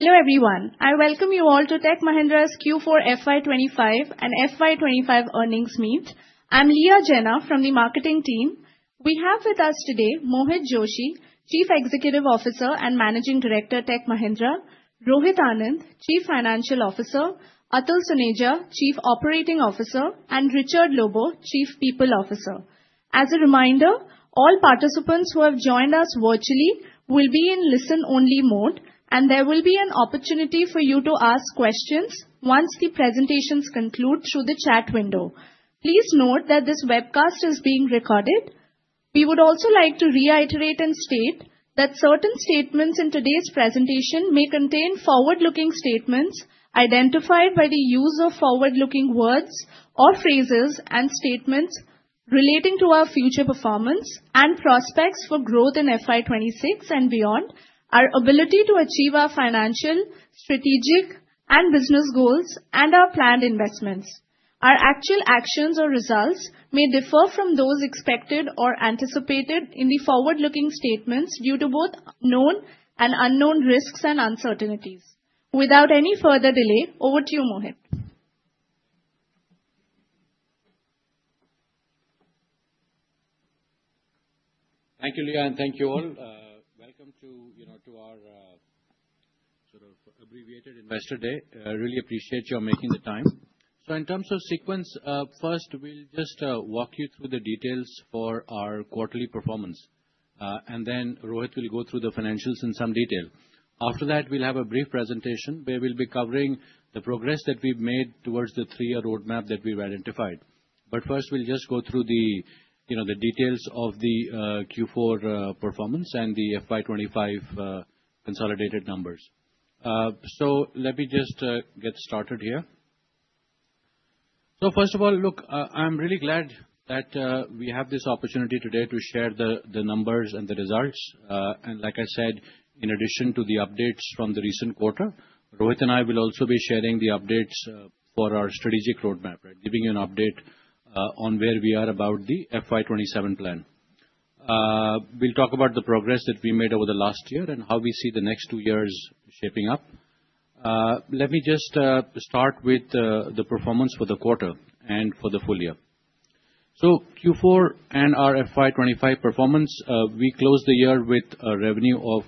Hello everyone, I welcome you all to Tech Mahindra's FY 2025 Earnings Meet. I'm Leah Jena from the marketing team. We have with us today Mohit Joshi, Chief Executive Officer and Managing Director at Tech Mahindra, Rohit Anand, Chief Financial Officer, Atul Soneja, Chief Operating Officer, and Richard Lobo, Chief People Officer. As a reminder, all participants who have joined us virtually will be in listen-only mode, and there will be an opportunity for you to ask questions once the presentations conclude through the chat window. Please note that this webcast is being recorded. We would also like to reiterate and state that certain statements in today's presentation may contain forward-looking statements identified by the use of forward-looking words or phrases and statements relating to our future performance and prospects for growth FY 2026 and beyond, our ability to achieve our financial, strategic, and business goals, and our planned investments. Our actual actions or results may differ from those expected or anticipated in the forward-looking statements due to both known and unknown risks and uncertainties. Without any further delay, over to you, Mohit. Thank you, Leah, and thank you all. Welcome to our sort of abbreviated Investor Day. I really appreciate you all making the time. In terms of sequence, first we'll just walk you through the details for our quarterly performance, and then Rohit will go through the financials in some detail. After that, we'll have a brief presentation where we'll be covering the progress that we've made towards the three-year roadmap that we've identified. First, we'll just go through the details of the Q4 performance and FY 2025 consolidated numbers. Let me just get started here. First of all, look, I'm really glad that we have this opportunity today to share the numbers and the results. Like I said, in addition to the updates from the recent quarter, Rohit and I will also be sharing the updates for our strategic roadmap, giving you an update on where we are about FY 2027 plan. we will talk about the progress that we made over the last year and how we see the next two years shaping up. Let me just start with the performance for the quarter and for the full year. Q4 and FY 2025 performance, we closed the year with a revenue of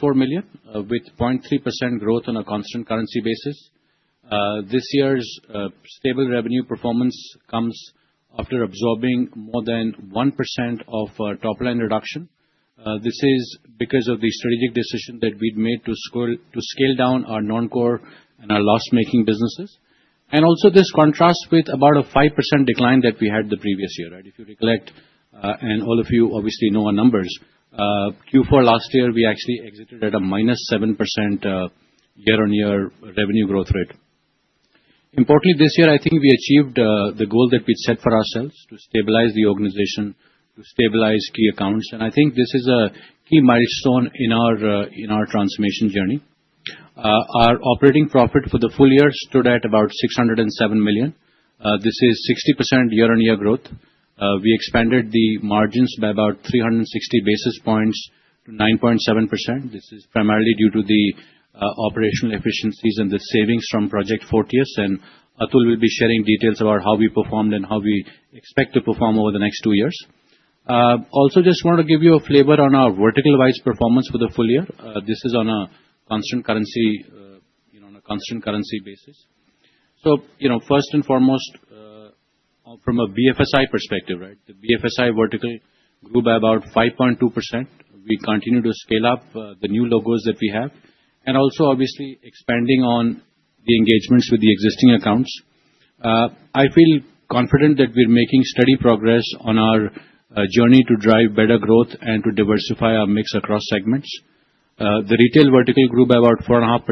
$626.4 million, with 0.3% growth on a constant currency basis. This year's stable revenue performance comes after absorbing more than 1% of top-line reduction. This is because of the strategic decision that we had made to scale down our non-core and our loss-making businesses. This also contrasts with about a 5% decline that we had the previous year. If you recollect, and all of you obviously know our numbers, Q4 last year, we actually exited at a -7% year-on-year revenue growth rate. Importantly, this year, I think we achieved the goal that we'd set for ourselves to stabilize the organization, to stabilize key accounts. I think this is a key milestone in our transformation journey. Our operating profit for the full year stood at about $607 million. This is 60% year-on-year growth. We expanded the margins by about 360 basis points to 9.7%. This is primarily due to the operational efficiencies and the savings from Project Fortius. Atul will be sharing details about how we performed and how we expect to perform over the next two years. Also, just want to give you a flavor on our vertical-wise performance for the full year. This is on a constant currency basis. First and foremost, from a BFSI perspective, the BFSI vertical grew by about 5.2%. We continue to scale up the new logos that we have, and also obviously expanding on the engagements with the existing accounts. I feel confident that we're making steady progress on our journey to drive better growth and to diversify our mix across segments. The retail vertical grew by about 4.5%.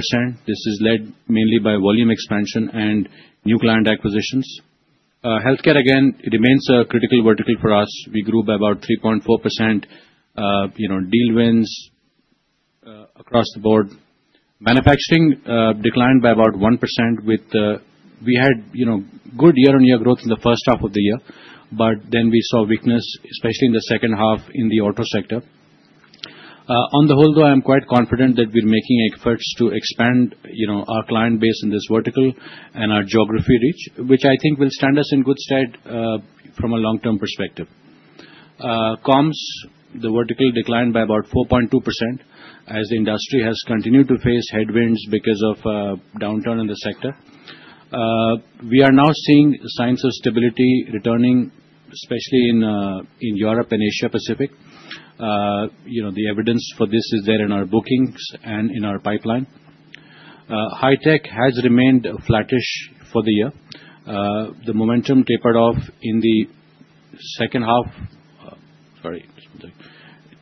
This is led mainly by volume expansion and new client acquisitions. Healthcare, again, remains a critical vertical for us. We grew by about 3.4%, deal wins across the board. Manufacturing declined by about 1%. We had good year-on-year growth in the first half of the year, but then we saw weakness, especially in the second half in the auto sector. On the whole, though, I'm quite confident that we're making efforts to expand our client base in this vertical and our geography reach, which I think will stand us in good stead from a long-term perspective. Coms, the vertical declined by about 4.2% as the industry has continued to face headwinds because of downturn in the sector. We are now seeing signs of stability returning, especially in Europe and Asia Pacific. The evidence for this is there in our bookings and in our pipeline. High tech has remained flattish for the year. The momentum tapered off in the second half, sorry,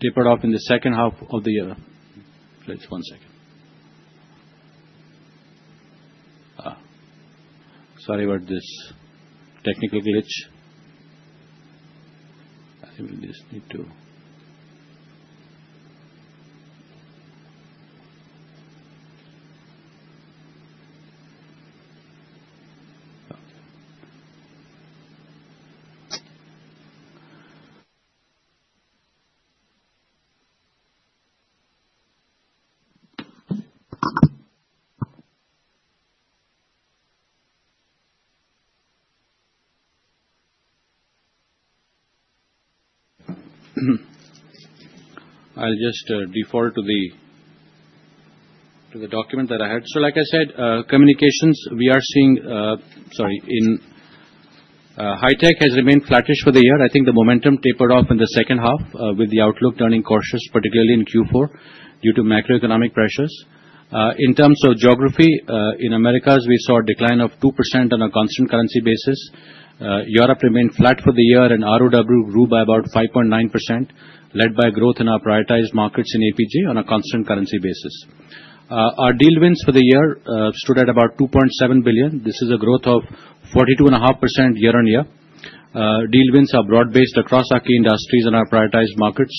tapered off in the second half of the year. Just one second. Sorry about this technical glitch. I think we just need to. I'll just default to the document that I had. Like I said, communications, we are seeing, sorry, in high tech has remained flattish for the year. I think the momentum tapered off in the second half with the outlook turning cautious, particularly in Q4 due to macroeconomic pressures. In terms of geography, in Americas, we saw a decline of 2% on a constant currency basis. Europe remained flat for the year, and ROW grew by about 5.9%, led by growth in our prioritized markets in APG on a constant currency basis. Our deal wins for the year stood at about $2.7 billion. This is a growth of 42.5% year-on-year. Deal wins are broad-based across our key industries and our prioritized markets.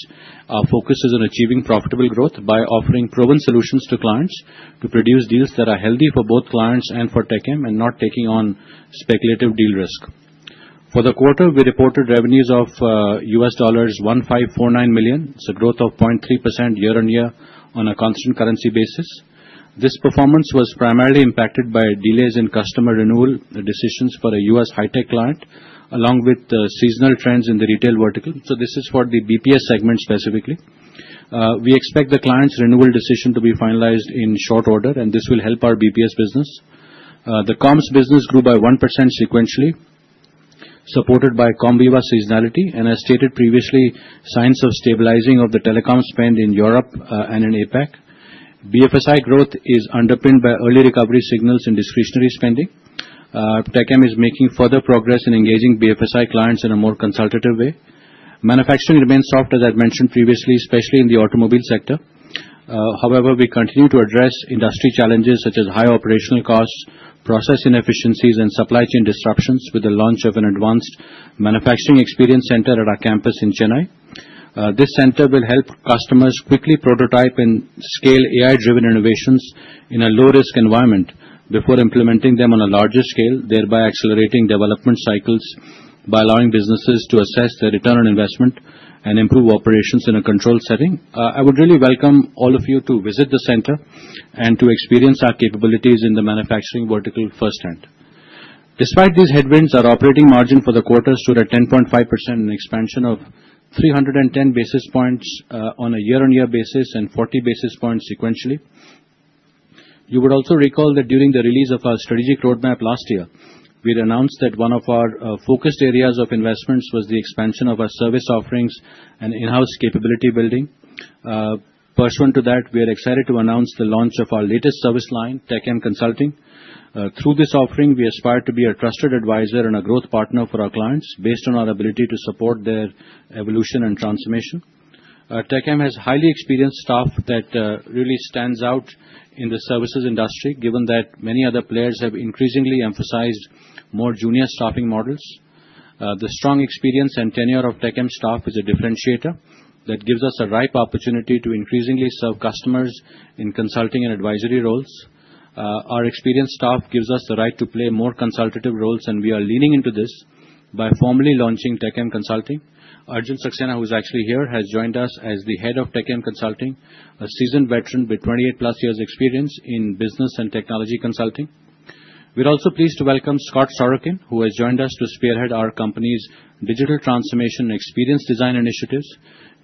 Our focus is on achieving profitable growth by offering proven solutions to clients to produce deals that are healthy for both clients and for TechM and not taking on speculative deal risk. For the quarter, we reported revenues of $1,549 million. It's a growth of 0.3% year-on-year on a constant currency basis. This performance was primarily impacted by delays in customer renewal decisions for a U.S. high-tech client, along with seasonal trends in the retail vertical. This is for the BPS segment specifically. We expect the client's renewal decision to be finalized in short order, and this will help our BPS business. The comms business grew by 1% sequentially, supported by Comviva seasonality. As stated previously, signs of stabilizing of the telecom spend in Europe and in APAC. BFSI growth is underpinned by early recovery signals in discretionary spending. TechM is making further progress in engaging BFSI clients in a more consultative way. Manufacturing remains soft, as I've mentioned previously, especially in the automobile sector. However, we continue to address industry challenges such as high operational costs, process inefficiencies, and supply chain disruptions with the launch of an advanced manufacturing experience center at our campus in Chennai. This center will help customers quickly prototype and scale AI-driven innovations in a low-risk environment before implementing them on a larger scale, thereby accelerating development cycles by allowing businesses to assess their return on investment and improve operations in a controlled setting. I would really welcome all of you to visit the center and to experience our capabilities in the manufacturing vertical firsthand. Despite these headwinds, our operating margin for the quarter stood at 10.5%, an expansion of 310 basis points on a year-on-year basis and 40 basis points sequentially. You would also recall that during the release of our strategic roadmap last year, we announced that one of our focused areas of investments was the expansion of our service offerings and in-house capability building. Pursuant to that, we are excited to announce the launch of our latest service line, TechM Consulting. Through this offering, we aspire to be a trusted advisor and a growth partner for our clients based on our ability to support their evolution and transformation. TechM has highly experienced staff that really stands out in the services industry, given that many other players have increasingly emphasized more junior staffing models. The strong experience and tenure of TechM staff is a differentiator that gives us a ripe opportunity to increasingly serve customers in consulting and advisory roles. Our experienced staff gives us the right to play more consultative roles, and we are leaning into this by formally launching TechM Consulting. Arjun Saxena, who is actually here, has joined us as the head of TechM Consulting, a seasoned veteran with 28 plus years' experience in business and technology consulting. We're also pleased to welcome Scott Sorokin, who has joined us to spearhead our company's digital transformation and experience design initiatives.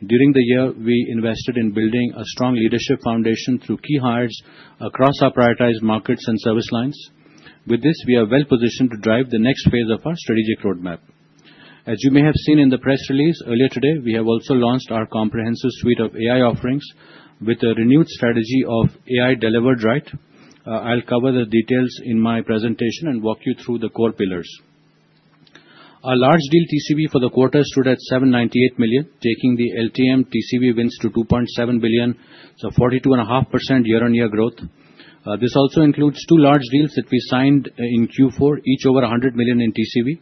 During the year, we invested in building a strong leadership foundation through key hires across our prioritized markets and service lines. With this, we are well positioned to drive the next phase of our strategic roadmap. As you may have seen in the press release earlier today, we have also launched our comprehensive suite of AI offerings with a renewed strategy of AI Delivered Right. I'll cover the details in my presentation and walk you through the core pillars. Our large deal TCV for the quarter stood at $798 million, taking the LTM TCV wins to $2.7 billion. It's a 42.5% year-on-year growth. This also includes two large deals that we signed in Q4, each over $100 million in TCV.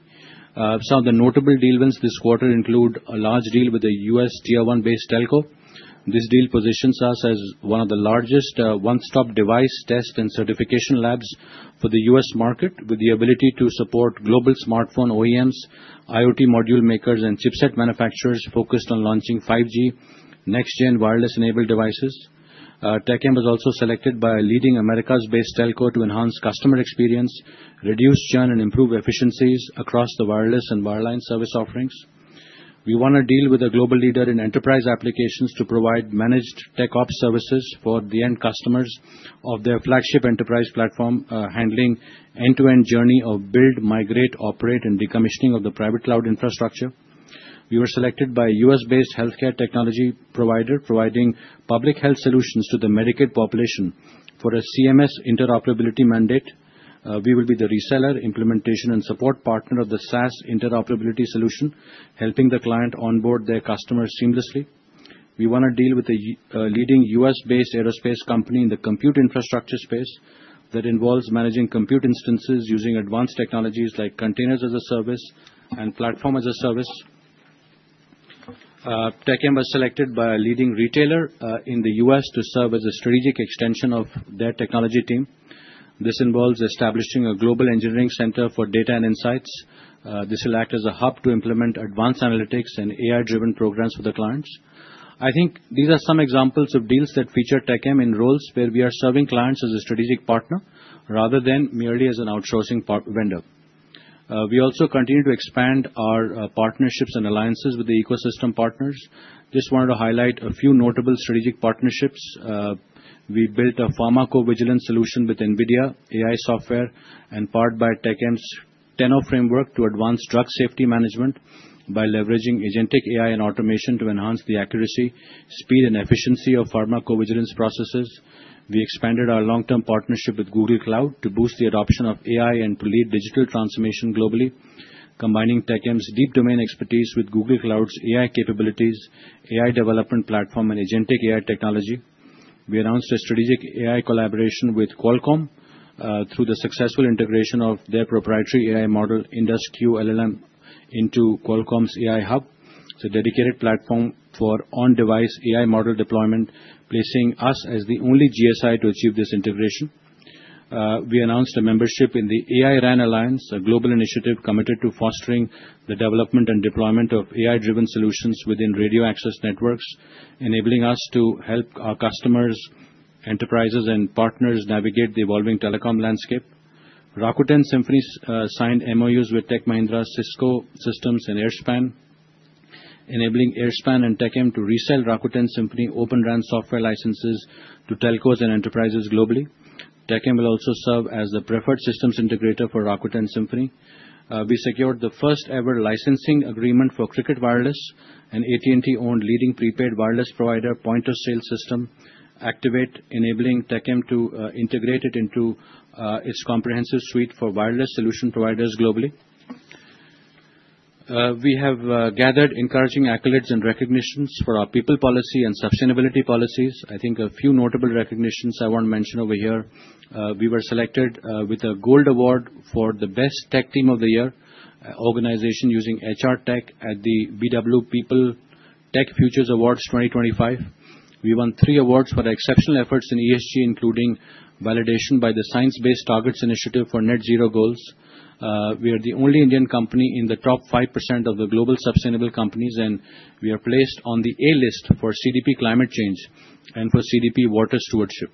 Some of the notable deal wins this quarter include a large deal with a U.S. Tier 1-based Telco. This deal positions us as one of the largest one-stop device test and certification labs for the US market, with the ability to support global smartphone OEMs, IoT module makers, and chipset manufacturers focused on launching 5G next-gen wireless-enabled devices. TechM was also selected by a leading Americas-based Telco to enhance customer experience, reduce churn, and improve efficiencies across the wireless and wireline service offerings. We want to deal with a global leader in enterprise applications to provide managed tech ops services for the end customers of their flagship enterprise platform, handling end-to-end journey of build, migrate, operate, and decommissioning of the private cloud infrastructure. We were selected by a U.S.-based healthcare technology provider providing public health solutions to the Medicaid population for a CMS interoperability mandate. We will be the reseller, implementation, and support partner of the SaaS interoperability solution, helping the client onboard their customers seamlessly. We want to deal with a leading US-based aerospace company in the compute infrastructure space that involves managing compute instances using advanced technologies like containers as a service and platform as a service. TechM was selected by a leading retailer in the U.S. to serve as a strategic extension of their technology team. This involves establishing a global engineering center for data and insights. This will act as a hub to implement advanced analytics and AI-driven programs for the clients. I think these are some examples of deals that feature TechM in roles where we are serving clients as a strategic partner rather than merely as an outsourcing vendor. We also continue to expand our partnerships and alliances with the ecosystem partners. Just wanted to highlight a few notable strategic partnerships. We built a pharmacovigilance solution with NVIDIA AI software and powered by TechM's TENO framework to advance drug safety management by leveraging agentic AI and automation to enhance the accuracy, speed, and efficiency of pharmacovigilance processes. We expanded our long-term partnership with Google Cloud to boost the adoption of AI and to lead digital transformation globally, combining TechM's deep domain expertise with Google Cloud's AI capabilities, AI development platform, and agentic AI technology. We announced a strategic AI collaboration with Qualcomm through the successful integration of their proprietary AI model, IndusQ LLM, into Qualcomm's AI hub. It's a dedicated platform for on-device AI model deployment, placing us as the only GSI to achieve this integration. We announced a membership in the AI-RAN Alliance, a global initiative committed to fostering the development and deployment of AI-driven solutions within radio access networks, enabling us to help our customers, enterprises, and partners navigate the evolving telecom landscape. Rakuten Symphony signed MOUs with Tech Mahindra, Cisco Systems, and Airspan, enabling Airspan and TechM to resell Rakuten Symphony open RAN software licenses to Telcos and enterprises globally. TechM will also serve as the preferred systems integrator for Rakuten Symphony. We secured the first-ever licensing agreement for Cricket Wireless, an AT&T-owned leading prepaid wireless provider, point-of-sale system, "Aktivate", enabling TechM to integrate it into its comprehensive suite for wireless solution providers globally. We have gathered encouraging accolades and recognitions for our people policy and sustainability policies. I think a few notable recognitions I want to mention over here. We were selected with a gold award for the best tech team of the year, an organization using HR Tech at the BW People Tech Futures Awards 2025. We won three awards for exceptional efforts in ESG, including validation by the Science-Based Targets Initiative for net zero goals. We are the only Indian company in the top 5% of the global sustainable companies, and we are placed on the A-list for CDP climate change and for CDP water stewardship.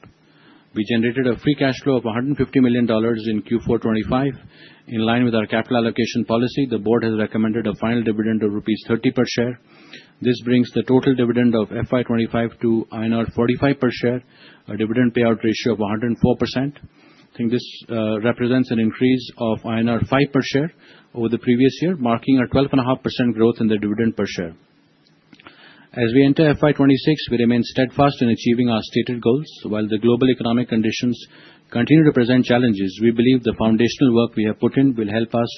We generated a free cash flow of $150 million in Q4 2025. In line with our capital allocation policy, the board has recommended a final dividend of rupees 30 per share. This brings the total dividend FY 2025 to INR 45 per share, a dividend payout ratio of 104%. I think this represents an increase of INR 5 per share over the previous year, marking a 12.5% growth in the dividend per share. As we FY 2026, we remain steadfast in achieving our stated goals. While the global economic conditions continue to present challenges, we believe the foundational work we have put in will help us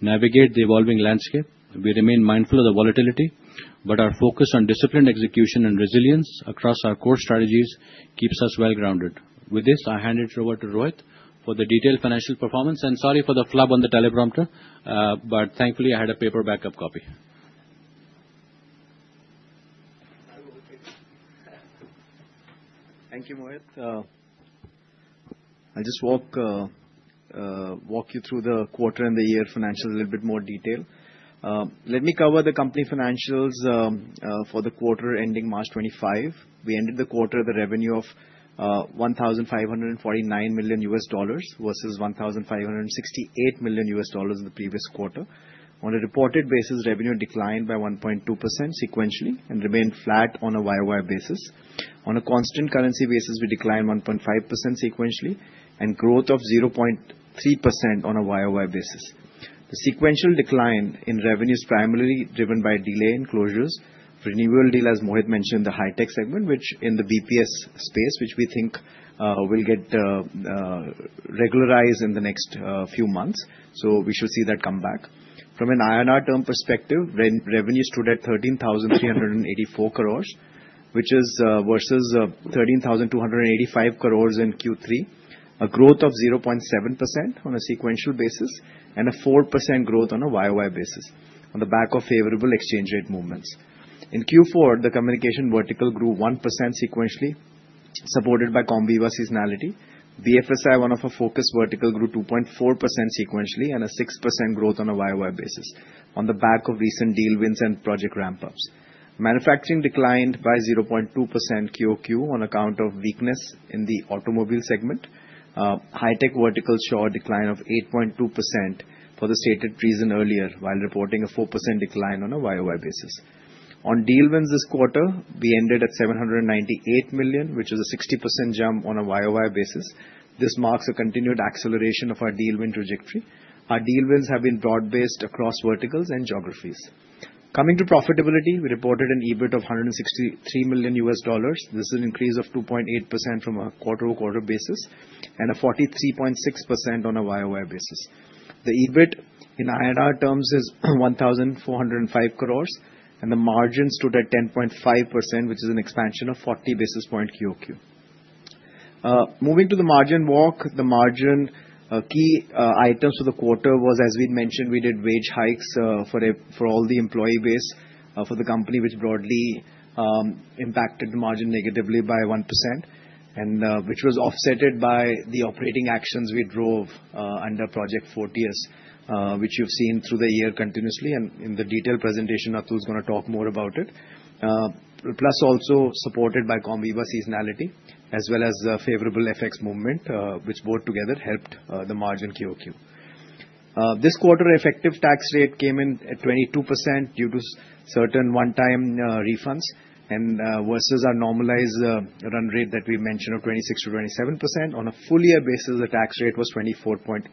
navigate the evolving landscape. We remain mindful of the volatility, but our focus on disciplined execution and resilience across our core strategies keeps us well grounded. With this, I hand it over to Rohit for the detailed financial performance. Sorry for the flub on the teleprompter, but thankfully I had a paper backup copy. Thank you, Mohit. I'll just walk you through the quarter and the year financials a little bit more detail. Let me cover the company financials for the quarter ending March 2025. We ended the quarter with a revenue of $1,549 million versus $1,568 million in the previous quarter. On a reported basis, revenue declined by 1.2% sequentially and remained flat on a YoY basis. On a constant currency basis, we declined 1.5% sequentially and growth of 0.3% on a YoY basis. The sequential decline in revenue is primarily driven by delay in closures. Renewal deal, as Mohit mentioned, the high-tech segment, which in the BPS space, which we think will get regularized in the next few months. We should see that come back. From an INR term perspective, revenue stood at 13,384, which is versus 13,285 in Q3, a growth of 0.7% on a sequential basis, and a 4% growth on a YoY basis on the back of favorable exchange rate movements. In Q4, the communication vertical grew 1% sequentially, supported by Comviva seasonality. BFSI, one of our focus verticals, grew 2.4% sequentially and a 6% growth on a YoY basis on the back of recent deal wins and project ramp-ups. Manufacturing declined by 0.2% QoQ on account of weakness in the automobile segment. High-tech verticals saw a decline of 8.2% for the stated reason earlier, while reporting a 4% decline on a YoY basis. On deal wins this quarter, we ended at $798 million, which is a 60% jump on a YoY basis. This marks a continued acceleration of our deal win trajectory. Our deal wins have been broad-based across verticals and geographies. Coming to profitability, we reported an EBIT of $163 million. This is an increase of 2.8% from a quarter-over-quarter basis and a 43.6% on a year-over-year basis. The EBIT in INR terms is 1,405, and the margin stood at 10.5%, which is an expansion of 40 basis points quarter-over-quarter. Moving to the margin walk, the margin key items for the quarter was, as we mentioned, we did wage hikes for all the employee base for the company, which broadly impacted the margin negatively by 1%, which was offset by the operating actions we drove under Project Fortius, which you have seen through the year continuously. In the detailed presentation, Atul is going to talk more about it. Plus, also supported by Comviva seasonality, as well as favorable FX movement, which both together helped the margin QoQ. This quarter, effective tax rate came in at 22% due to certain one-time refunds versus our normalized run rate that we mentioned of 26%-27%. On a full-year basis, the tax rate was 24.8%.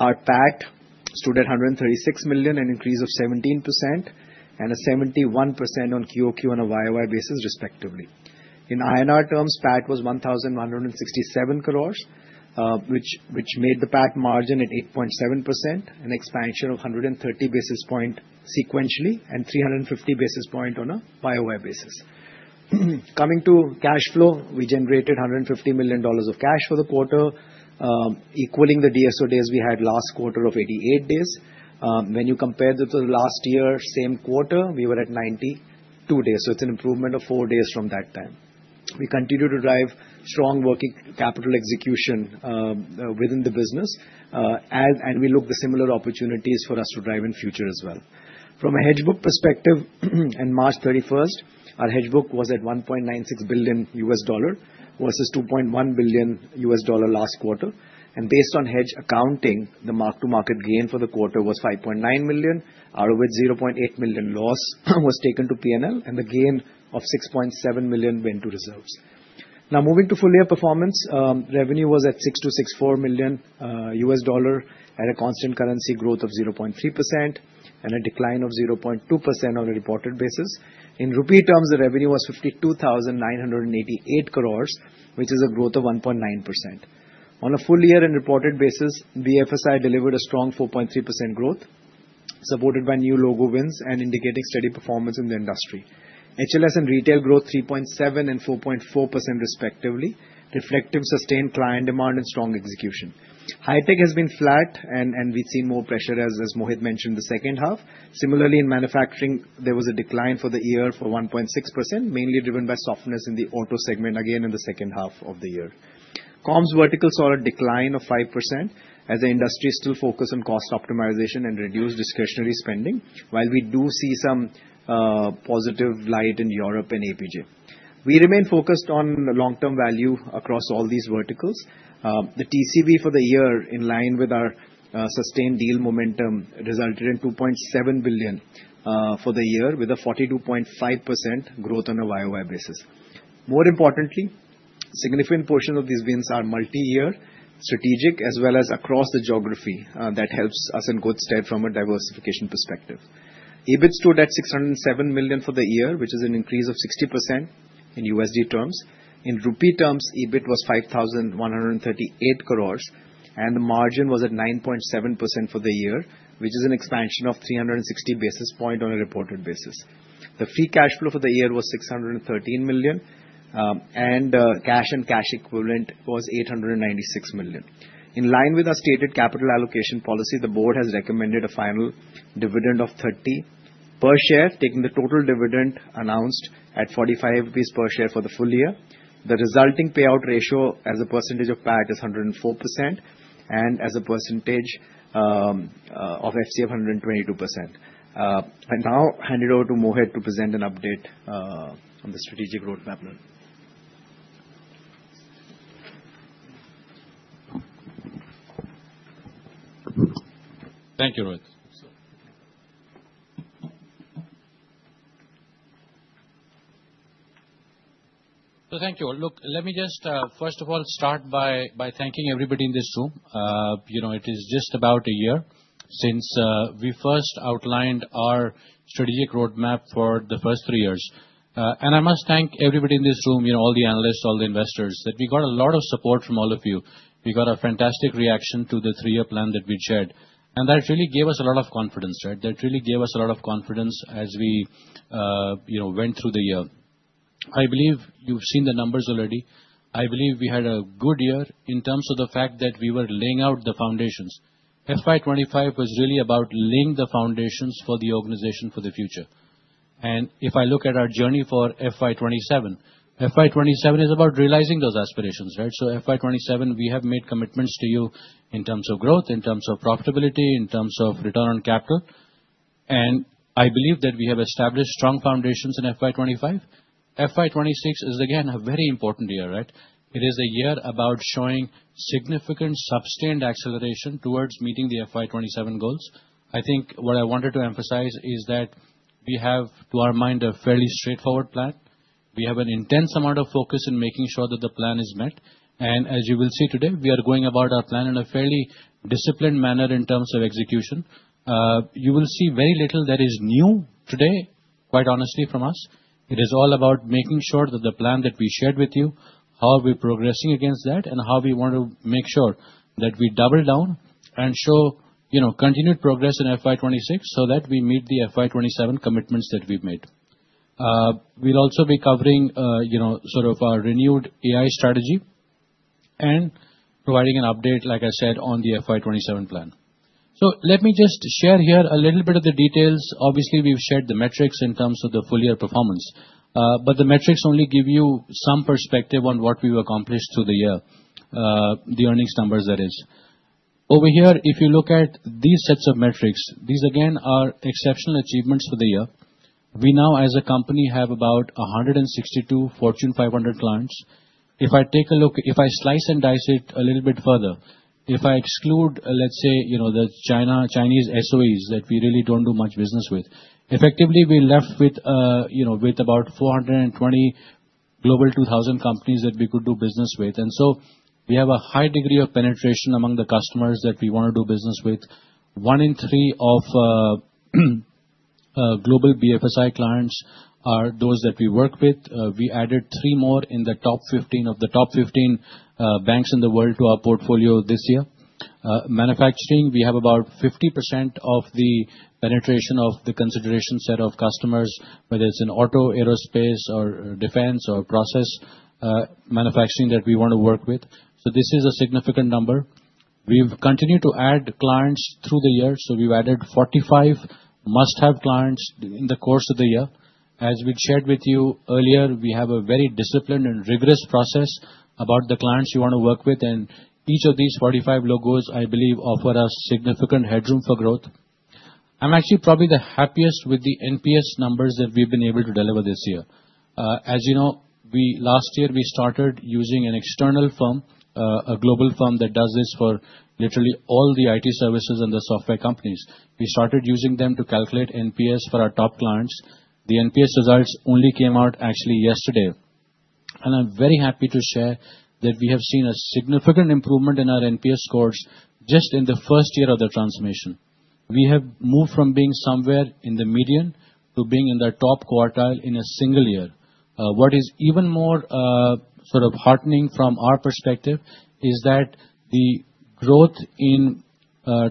Our PAT stood at $136 million, an increase of 17%, and 71% on QoQ and YoY basis, respectively. In INR terms, PAT was 1,167, which made the PAT margin at 8.7%, an expansion of 130 basis points sequentially and 350 basis points on a YoY basis. Coming to cash flow, we generated $150 million of cash for the quarter, equaling the DSO days we had last quarter of 88 days. When you compare to the last year, same quarter, we were at 92 days. It is an improvement of four days from that time. We continue to drive strong working capital execution within the business, and we look for similar opportunities for us to drive in the future as well. From a hedge book perspective, on March 31, our hedge book was at $1.96 billion versus $2.1 billion last quarter. Based on hedge accounting, the mark-to-market gain for the quarter was $5.9 million. Our $0.8 million loss was taken to P&L, and the gain of $6.7 million went to reserves. Now, moving to full-year performance, revenue was at $6,264 million at a constant currency growth of 0.3% and a decline of 0.2% on a reported basis. In rupee terms, the revenue was 52,988, which is a growth of 1.9%. On a full-year and reported basis, BFSI delivered a strong 4.3% growth, supported by new logo wins and indicating steady performance in the industry. HLS and retail growth 3.7% and 4.4%, respectively, reflective of sustained client demand and strong execution. High-tech has been flat, and we've seen more pressure, as Mohit mentioned, in the second half. Similarly, in manufacturing, there was a decline for the year of 1.6%, mainly driven by softness in the auto segment, again in the second half of the year. Comms vertical saw a decline of 5% as the industry still focused on cost optimization and reduced discretionary spending, while we do see some positive light in Europe and APJ. We remain focused on long-term value across all these verticals. The TCV for the year, in line with our sustained deal momentum, resulted in $2.7 billion for the year, with a 42.5% growth on a YoY basis. More importantly, significant portions of these wins are multi-year, strategic, as well as across the geography that helps us in good stead from a diversification perspective. EBIT stood at $607 million for the year, which is an increase of 60% in USD terms. In rupee terms, EBIT was 5,138 crore, and the margin was at 9.7% for the year, which is an expansion of 360 basis points on a reported basis. The free cash flow for the year was $613 million, and cash and cash equivalent was $896 million. In line with our stated capital allocation policy, the board has recommended a final dividend of 30 per share, taking the total dividend announced at 45 rupees per share for the full year. The resulting payout ratio as a percentage of PAT is 104%, and as a percentage of free cash flow of 122%. I now hand it over to Mohit to present an update on the strategic roadmap. Thank you, Rohit. Thank you. Look, let me just, first of all, start by thanking everybody in this room. It is just about a year since we first outlined our strategic roadmap for the first three years. I must thank everybody in this room, all the analysts, all the investors, that we got a lot of support from all of you. We got a fantastic reaction to the three-year plan that we shared. That really gave us a lot of confidence. That really gave us a lot of confidence as we went through the year. I believe you've seen the numbers already. I believe we had a good year in terms of the fact that we were laying out the foundations. FY 2025 was really about laying the foundations for the organization for the future. If I look at our journey FY 2027 is about realizing those FY 2027, we have made commitments to you in terms of growth, in terms of profitability, in terms of return on capital. I believe that we have established strong foundations FY 2026 is, again, a very important year. It is a year about showing significant sustained acceleration towards meeting FY 2027 goals. What I wanted to emphasize is that we have to our mind a fairly straightforward plan. We have an intense amount of focus in making sure that the plan is met. As you will see today, we are going about our plan in a fairly disciplined manner in terms of execution. You will see very little that is new today, quite honestly, from us. It is all about making sure that the plan that we shared with you, how we're progressing against that, and how we want to make sure that we double down and show continued progress FY 2026 so that we meet FY 2027 commitments that we've made. We'll also be covering sort of our renewed AI strategy and providing an update, like I said, on FY 2027 plan. Let me just share here a little bit of the details. Obviously, we've shared the metrics in terms of the full-year performance, but the metrics only give you some perspective on what we've accomplished through the year, the earnings numbers, that is. Over here, if you look at these sets of metrics, these, again, are exceptional achievements for the year. We now, as a company, have about 162 Fortune 500 clients. If I take a look, if I slice and dice it a little bit further, if I exclude, let's say, the Chinese SOEs that we really don't do much business with, effectively, we're left with about 420 global 2000 companies that we could do business with. We have a high degree of penetration among the customers that we want to do business with. One in three of global BFSI clients are those that we work with. We added three more in the top 15 of the top 15 banks in the world to our portfolio this year. Manufacturing, we have about 50% of the penetration of the consideration set of customers, whether it's in auto, aerospace, or defense or process manufacturing that we want to work with. This is a significant number. We've continued to add clients through the year. We have added 45 must-have clients in the course of the year. As we shared with you earlier, we have a very disciplined and rigorous process about the clients you want to work with. Each of these 45 logos, I believe, offer us significant headroom for growth. I'm actually probably the happiest with the NPS numbers that we've been able to deliver this year. As you know, last year, we started using an external firm, a global firm that does this for literally all the IT services and the software companies. We started using them to calculate NPS for our top clients. The NPS results only came out actually yesterday. I'm very happy to share that we have seen a significant improvement in our NPS scores just in the first year of the transformation. We have moved from being somewhere in the median to being in the top quartile in a single year. What is even more sort of heartening from our perspective is that the growth in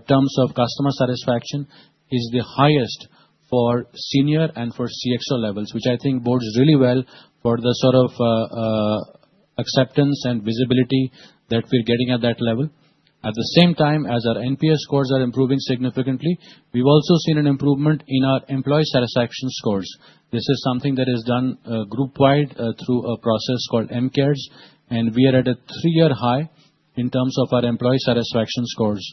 terms of customer satisfaction is the highest for senior and for CXO levels, which I think bodes really well for the sort of acceptance and visibility that we're getting at that level. At the same time as our NPS scores are improving significantly, we've also seen an improvement in our employee satisfaction scores. This is something that is done group-wide through a process called MCares. We are at a three-year high in terms of our employee satisfaction scores.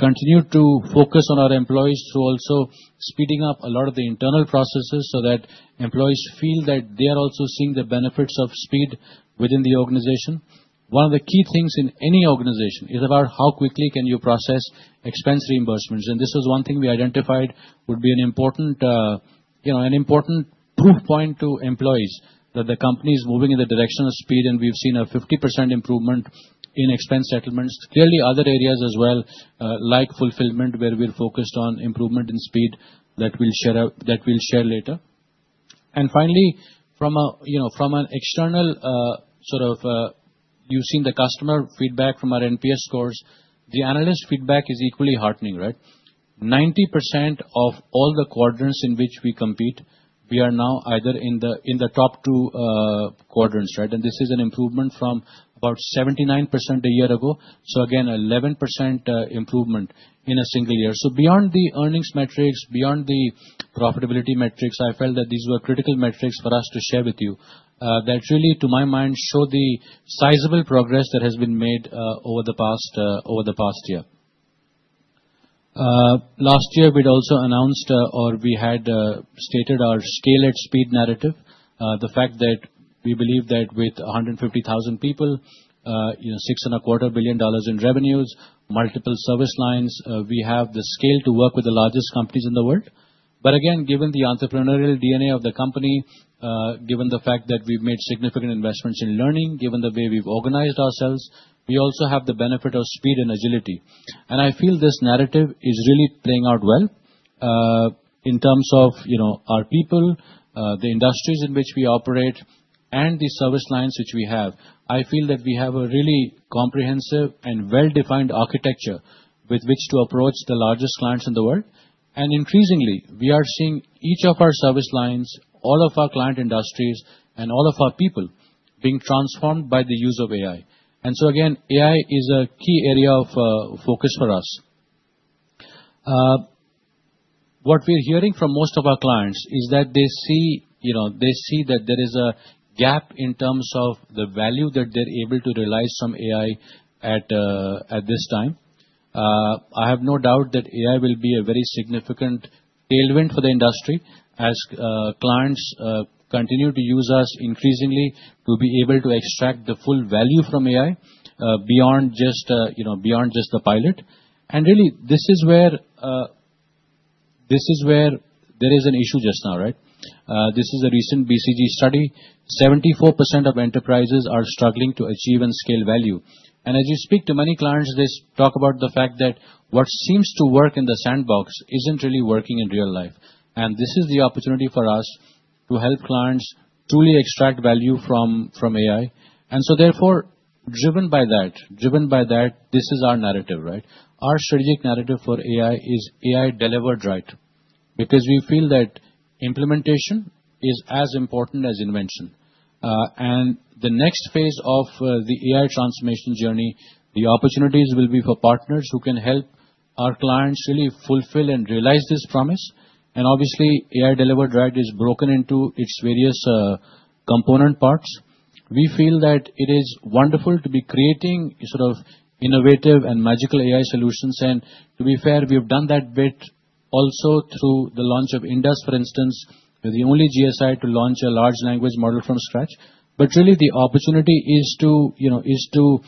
We have continued to focus on our employees through also speeding up a lot of the internal processes so that employees feel that they are also seeing the benefits of speed within the organization. One of the key things in any organization is about how quickly can you process expense reimbursements. This was one thing we identified would be an important proof point to employees that the company is moving in the direction of speed, and we've seen a 50% improvement in expense settlements. Clearly, other areas as well, like fulfillment, where we're focused on improvement in speed that we'll share later. Finally, from an external sort of, you've seen the customer feedback from our NPS scores. The analyst feedback is equally heartening. 90% of all the quadrants in which we compete, we are now either in the top two quadrants. This is an improvement from about 79% a year ago. Again, 11% improvement in a single year. Beyond the earnings metrics, beyond the profitability metrics, I felt that these were critical metrics for us to share with you that really, to my mind, show the sizable progress that has been made over the past year. Last year, we had also announced or we had stated our Scale at Speed narrative, the fact that we believe that with 150,000 people, $6.25 billion in revenues, multiple service lines, we have the scale to work with the largest companies in the world. Again, given the entrepreneurial DNA of the company, given the fact that we have made significant investments in learning, given the way we have organized ourselves, we also have the benefit of speed and agility. I feel this narrative is really playing out well in terms of our people, the industries in which we operate, and the service lines which we have. I feel that we have a really comprehensive and well-defined architecture with which to approach the largest clients in the world. I mean, increasingly, we are seeing each of our service lines, all of our client industries, and all of our people being transformed by the use of AI. AI is a key area of focus for us. What we're hearing from most of our clients is that they see that there is a gap in terms of the value that they're able to realize from AI at this time. I have no doubt that AI will be a very significant tailwind for the industry as clients continue to use us increasingly to be able to extract the full value from AI beyond just the pilot. Really, this is where there is an issue just now. This is a recent BCG study. 74% of enterprises are struggling to achieve and scale value. As you speak to many clients, they talk about the fact that what seems to work in the sandbox is not really working in real life. This is the opportunity for us to help clients truly extract value from AI. Therefore, driven by that, this is our narrative. Our strategic narrative for AI is AI Delivered Right because we feel that implementation is as important as invention. The next phase of the AI transformation journey, the opportunities will be for partners who can help our clients really fulfill and realize this promise. Obviously, AI Delivered Right is broken into its various component parts. We feel that it is wonderful to be creating sort of innovative and magical AI solutions. To be fair, we've done that bit also through the launch of Indus, for instance, with the only GSI to launch a large language model from scratch. Really, the opportunity is to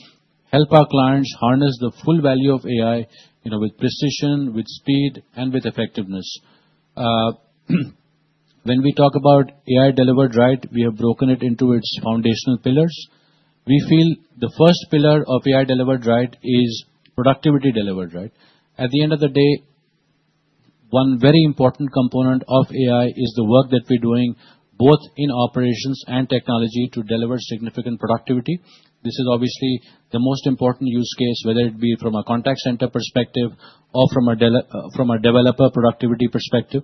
help our clients harness the full value of AI with precision, with speed, and with effectiveness. When we talk about AI Delivered Right, we have broken it into its foundational pillars. We feel the first pillar of AI Delivered Right is productivity delivered right. At the end of the day, one very important component of AI is the work that we're doing both in operations and technology to deliver significant productivity. This is obviously the most important use case, whether it be from a contact center perspective or from a developer productivity perspective.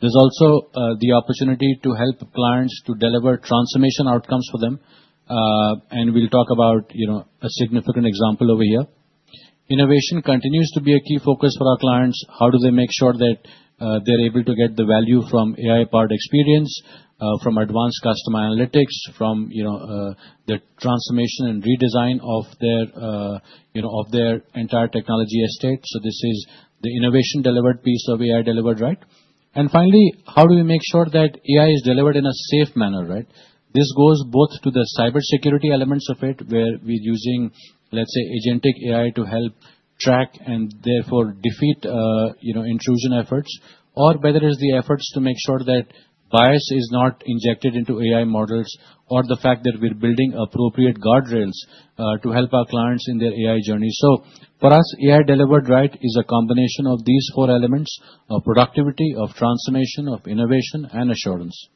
There's also the opportunity to help clients to deliver transformation outcomes for them. We'll talk about a significant example over here. Innovation continues to be a key focus for our clients. How do they make sure that they're able to get the value from AI-powered experience, from advanced customer analytics, from the transformation and redesign of their entire technology estate? This is the innovation delivered piece of AI Delivered Right. Finally, how do we make sure that AI is delivered in a safe manner? This goes both to the cybersecurity elements of it, where we're using, let's say, agentic AI to help track and therefore defeat intrusion efforts, or whether it's the efforts to make sure that bias is not injected into AI models, or the fact that we're building appropriate guardrails to help our clients in their AI journey. For us, AI Delivered Right is a combination of these four elements of productivity, of transformation, of innovation, and assurance.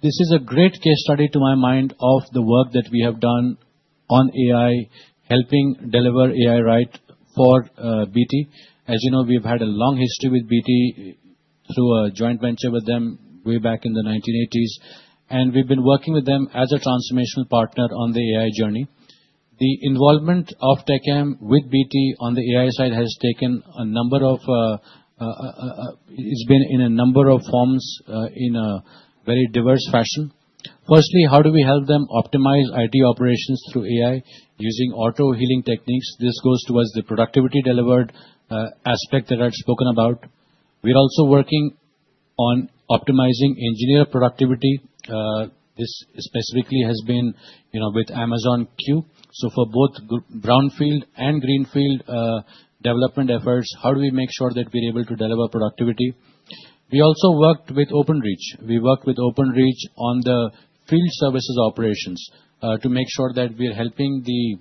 This is a great case study to my mind of the work that we have done on AI, helping deliver AI right for BT. As you know, we've had a long history with BT through a joint venture with them way back in the 1980s. We have been working with them as a transformational partner on the AI journey. The involvement of TechM with BT on the AI side has taken a number of forms in a very diverse fashion. Firstly, how do we help them optimize IT operations through AI using auto healing techniques? This goes towards the productivity delivered aspect that I've spoken about. We're also working on optimizing engineer productivity. This specifically has been with Amazon Q. For both brownfield and greenfield development efforts, how do we make sure that we're able to deliver productivity? We also worked with Openreach. We worked with Openreach on the field services operations to make sure that we're helping the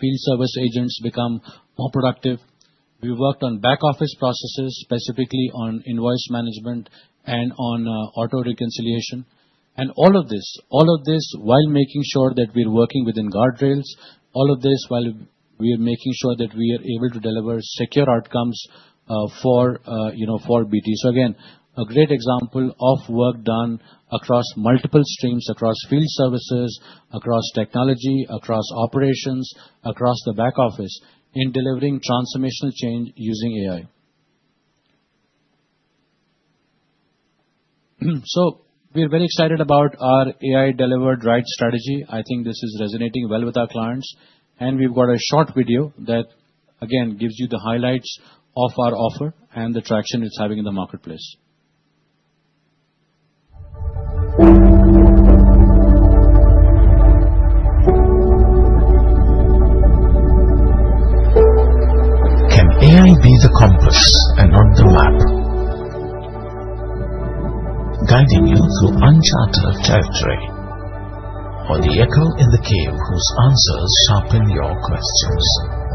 field service agents become more productive. We worked on back office processes, specifically on invoice management and on auto reconciliation. All of this, all of this while making sure that we're working within guardrails, all of this while we're making sure that we are able to deliver secure outcomes for BT. A great example of work done across multiple streams, across field services, across technology, across operations, across the back office in delivering transformational change using AI. We're very excited about our AI Delivered Right strategy. I think this is resonating well with our clients. We've got a short video that, again, gives you the highlights of our offer and the traction it's having in the marketplace. Can AI be the compass and not the map? Guiding you through uncharted territory or the echo in the cave whose answers sharpen your questions.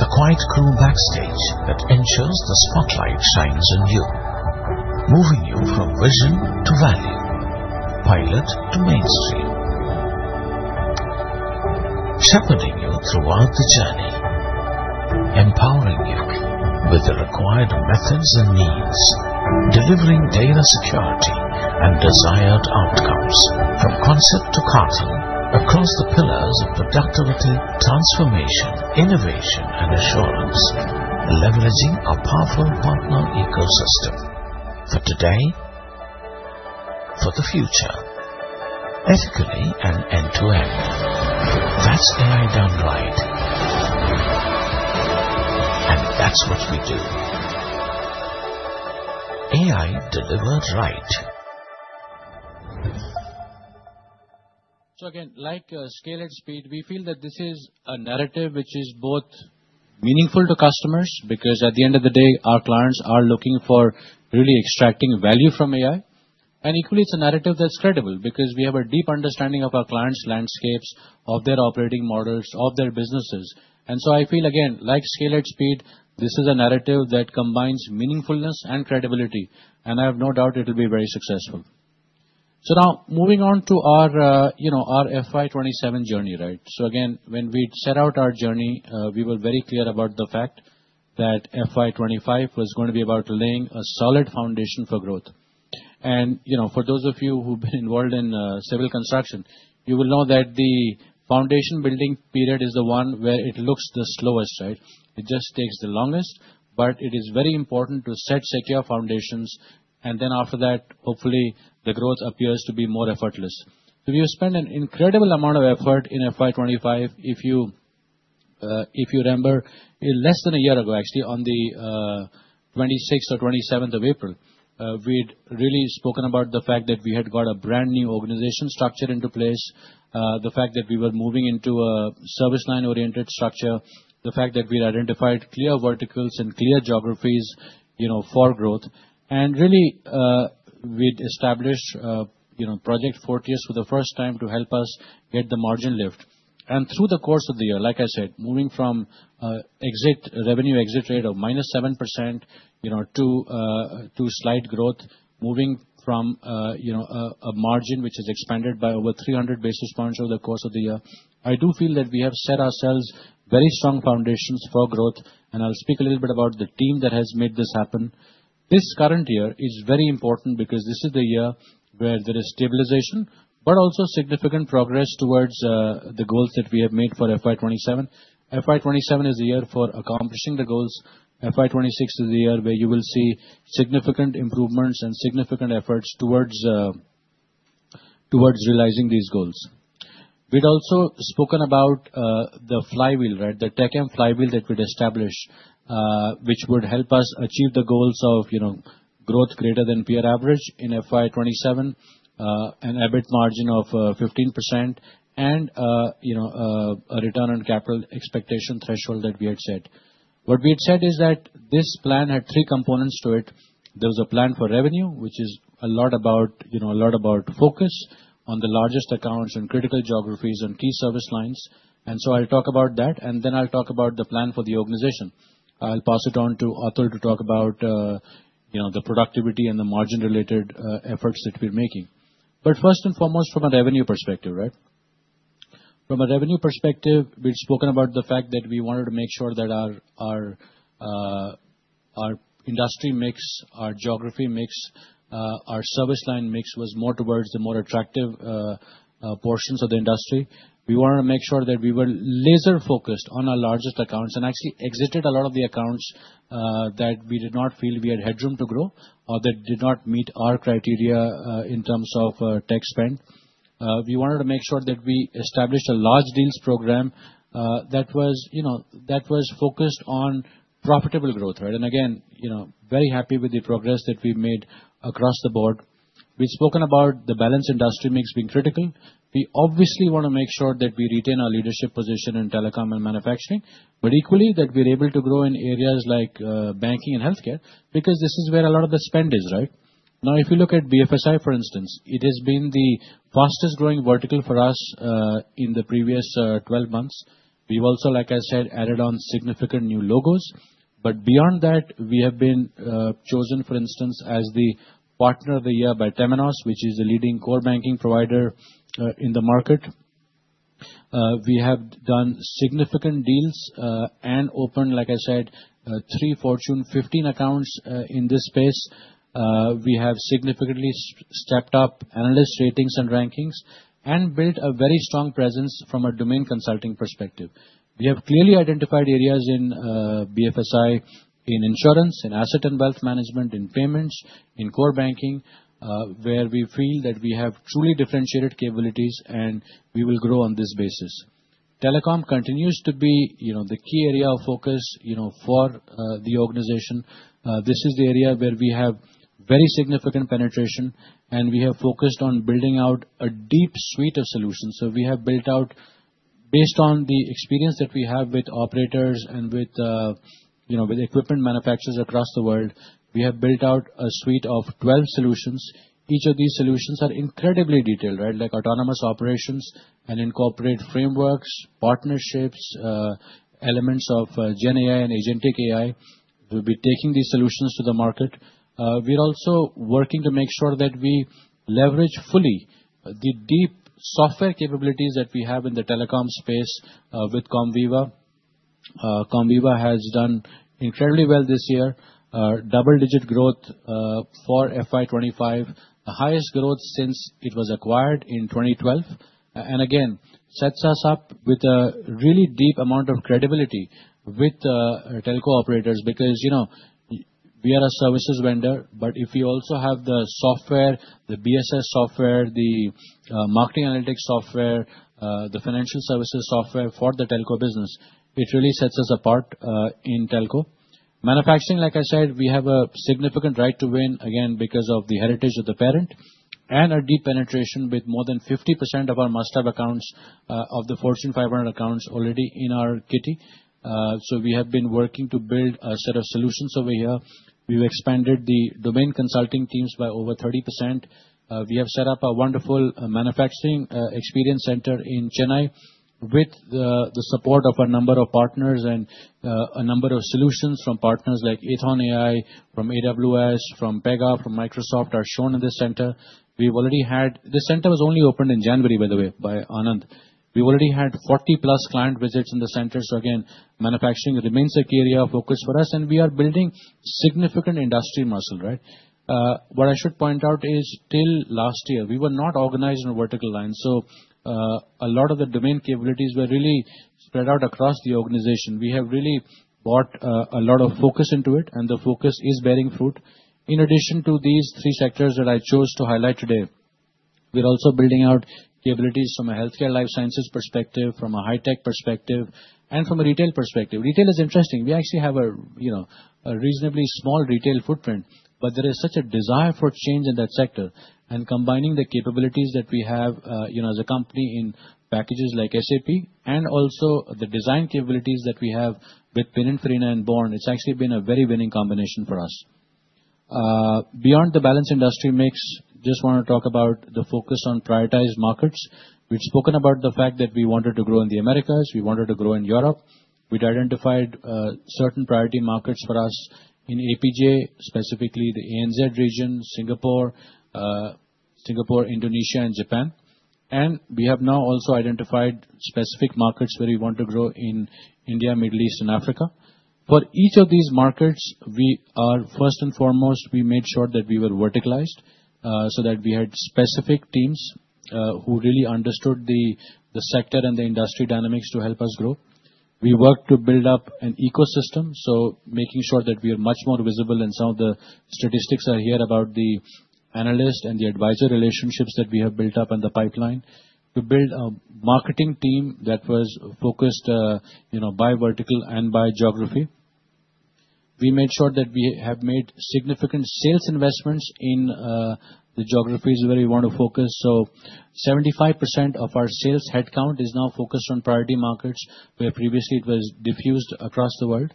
The quiet crew backstage that ensures the spotlight shines on you, moving you from vision to value, pilot to mainstream, shepherding you throughout the journey, empowering you with the required methods and needs, delivering data security and desired outcomes from concept to cartoon across the pillars of productivity, transformation, innovation, and assurance, leveraging a powerful partner ecosystem for today, for the future, ethically and end to end. That is AI done right. That is what we do. AI Delivers Right. So again, like Scale at Speed, we feel that this is a narrative which is both meaningful to customers because at the end of the day, our clients are looking for really extracting value from AI. It is equally a narrative that is credible because we have a deep understanding of our clients' landscapes, of their operating models, of their businesses. I feel again, like Scale at Speed, this is a narrative that combines meaningfulness and credibility. I have no doubt it will be very successful. Now moving on FY 2027 journey. again, when we set out our journey, we were very clear about the FY 2025 was going to be about laying a solid foundation for growth. For those of you who have been involved in civil construction, you will know that the foundation building period is the one where it looks the slowest. It just takes the longest, but it is very important to set secure foundations. After that, hopefully, the growth appears to be more effortless. We have spent an incredible amount of effort FY 2025. if you remember, less than a year ago, actually, on the 26th or 27th of April, we'd really spoken about the fact that we had got a brand new organization structure into place, the fact that we were moving into a service line-oriented structure, the fact that we identified clear verticals and clear geographies for growth. We had established Project Fortius for the first time to help us get the margin lift. Through the course of the year, like I said, moving from revenue exit rate of -7% to slight growth, moving from a margin which has expanded by over 300 basis points over the course of the year, I do feel that we have set ourselves very strong foundations for growth. I'll speak a little bit about the team that has made this happen. This current year is very important because this is the year where there is stabilization, but also significant progress towards the goals that we have FY 2027 is the year for accomplishing FY 2026 is the year where you will see significant improvements and significant efforts towards realizing these goals. We'd also spoken about the flywheel, the TechM flywheel that we'd established, which would help us achieve the goals of growth greater than peer FY 2027, an ebit margin of 15%, and a return on capital expectation threshold that we had set. What we had said is that this plan had three components to it. There was a plan for revenue, which is a lot about focus on the largest accounts and critical geographies and key service lines. I'll talk about that. I will talk about the plan for the organization. I will pass it on to Atul to talk about the productivity and the margin-related efforts that we are making. First and foremost, from a revenue perspective, from a revenue perspective, we had spoken about the fact that we wanted to make sure that our industry mix, our geography mix, our service line mix was more towards the more attractive portions of the industry. We wanted to make sure that we were laser-focused on our largest accounts and actually exited a lot of the accounts that we did not feel we had headroom to grow or that did not meet our criteria in terms of tech spend. We wanted to make sure that we established a large deals program that was focused on profitable growth. I am very happy with the progress that we made across the board. We'd spoken about the balance industry mix being critical. We obviously want to make sure that we retain our leadership position in telecom and manufacturing, but equally, that we're able to grow in areas like banking and healthcare because this is where a lot of the spend is. Now, if you look at BFSI, for instance, it has been the fastest-growing vertical for us in the previous 12 months. We've also, like I said, added on significant new logos. Beyond that, we have been chosen, for instance, as the partner of the year by Temenos, which is the leading core banking provider in the market. We have done significant deals and opened, like I said, three Fortune 15 accounts in this space. We have significantly stepped up analyst ratings and rankings and built a very strong presence from a domain consulting perspective. We have clearly identified areas in BFSI, in insurance, in asset and wealth management, in payments, in core banking, where we feel that we have truly differentiated capabilities and we will grow on this basis. Telecom continues to be the key area of focus for the organization. This is the area where we have very significant penetration, and we have focused on building out a deep suite of solutions. We have built out, based on the experience that we have with operators and with equipment manufacturers across the world, a suite of 12 solutions. Each of these solutions are incredibly detailed, like autonomous operations and incorporate frameworks, partnerships, elements of GenAI and agentic AI. We will be taking these solutions to the market. We are also working to make sure that we leverage fully the deep software capabilities that we have in the telecom space with Comviva. Comviva has done incredibly well this year, double-digit for FY 2025, the highest growth since it was acquired in 2012. It sets us up with a really deep amount of credibility with Telco operators because we are a services vendor, but if we also have the software, the BSS software, the marketing analytics software, the financial services software for the Telco business, it really sets us apart in Telco. Manufacturing, like I said, we have a significant right to win, again, because of the heritage of the parent and a deep penetration with more than 50% of our must-have accounts of the Fortune 500 accounts already in our kitty. We have been working to build a set of solutions over here. We have expanded the domain consulting teams by over 30%. We have set up a wonderful manufacturing experience center in Chennai with the support of a number of partners and a number of solutions from partners like Aethon AI, from AWS, from Pega, from Microsoft are shown in this center. We have already had this center was only opened in January, by the way, by Anand. We have already had 40+ client visits in the center. Manufacturing remains a key area of focus for us, and we are building significant industry muscle. What I should point out is till last year, we were not organized in a vertical line. A lot of the domain capabilities were really spread out across the organization. We have really brought a lot of focus into it, and the focus is bearing fruit. In addition to these three sectors that I chose to highlight today, we're also building out capabilities from a healthcare life sciences perspective, from a high-tech perspective, and from a retail perspective. Retail is interesting. We actually have a reasonably small retail footprint, but there is such a desire for change in that sector. Combining the capabilities that we have as a company in packages like SAP and also the design capabilities that we have with Pininfarina and Born, it's actually been a very winning combination for us. Beyond the balance industry mix, just want to talk about the focus on prioritized markets. We've spoken about the fact that we wanted to grow in the Americas. We wanted to grow in Europe. We'd identified certain priority markets for us in APJ, specifically the ANZ region, Singapore, Indonesia, and Japan. We have now also identified specific markets where we want to grow in India, Middle East, and Africa. For each of these markets, first and foremost, we made sure that we were verticalized so that we had specific teams who really understood the sector and the industry dynamics to help us grow. We worked to build up an ecosystem, making sure that we are much more visible. Some of the statistics are here about the analyst and the advisor relationships that we have built up and the pipeline to build a marketing team that was focused by vertical and by geography. We made sure that we have made significant sales investments in the geographies where we want to focus. Seventy-five percent of our sales headcount is now focused on priority markets where previously it was diffused across the world.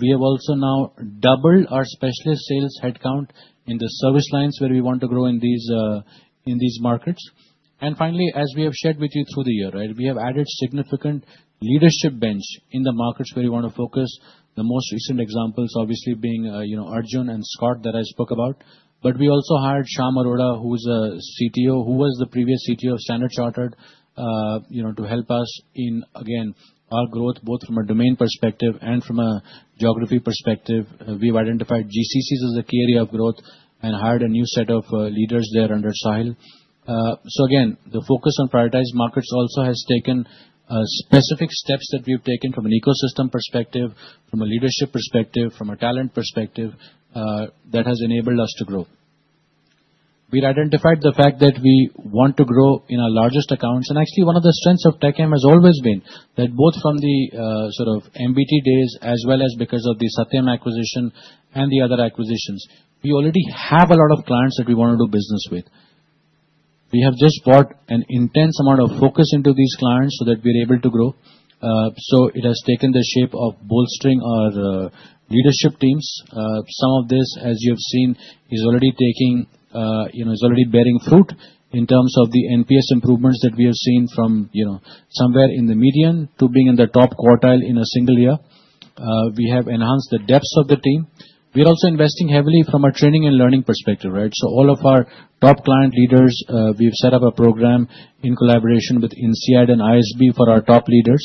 We have also now doubled our specialist sales headcount in the service lines where we want to grow in these markets. Finally, as we have shared with you through the year, we have added significant leadership bench in the markets where we want to focus. The most recent examples, obviously, being Arjun and Scott that I spoke about. We also hired Sham Arora, who's a CTO, who was the previous CTO of Standard Chartered, to help us in, again, our growth, both from a domain perspective and from a geography perspective. We have identified GCCs as a key area of growth and hired a new set of leaders there under Sahil. Again, the focus on prioritized markets also has taken specific steps that we have taken from an ecosystem perspective, from a leadership perspective, from a talent perspective that has enabled us to grow. We've identified the fact that we want to grow in our largest accounts. Actually, one of the strengths of TechM has always been that both from the sort of MBT days as well as because of the Satyam acquisition and the other acquisitions, we already have a lot of clients that we want to do business with. We have just brought an intense amount of focus into these clients so that we're able to grow. It has taken the shape of bolstering our leadership teams. Some of this, as you have seen, is already bearing fruit in terms of the NPS improvements that we have seen from somewhere in the median to being in the top quartile in a single year. We have enhanced the depths of the team. We're also investing heavily from a training and learning perspective. All of our top client leaders, we've set up a program in collaboration with INSEAD and ISB for our top leaders.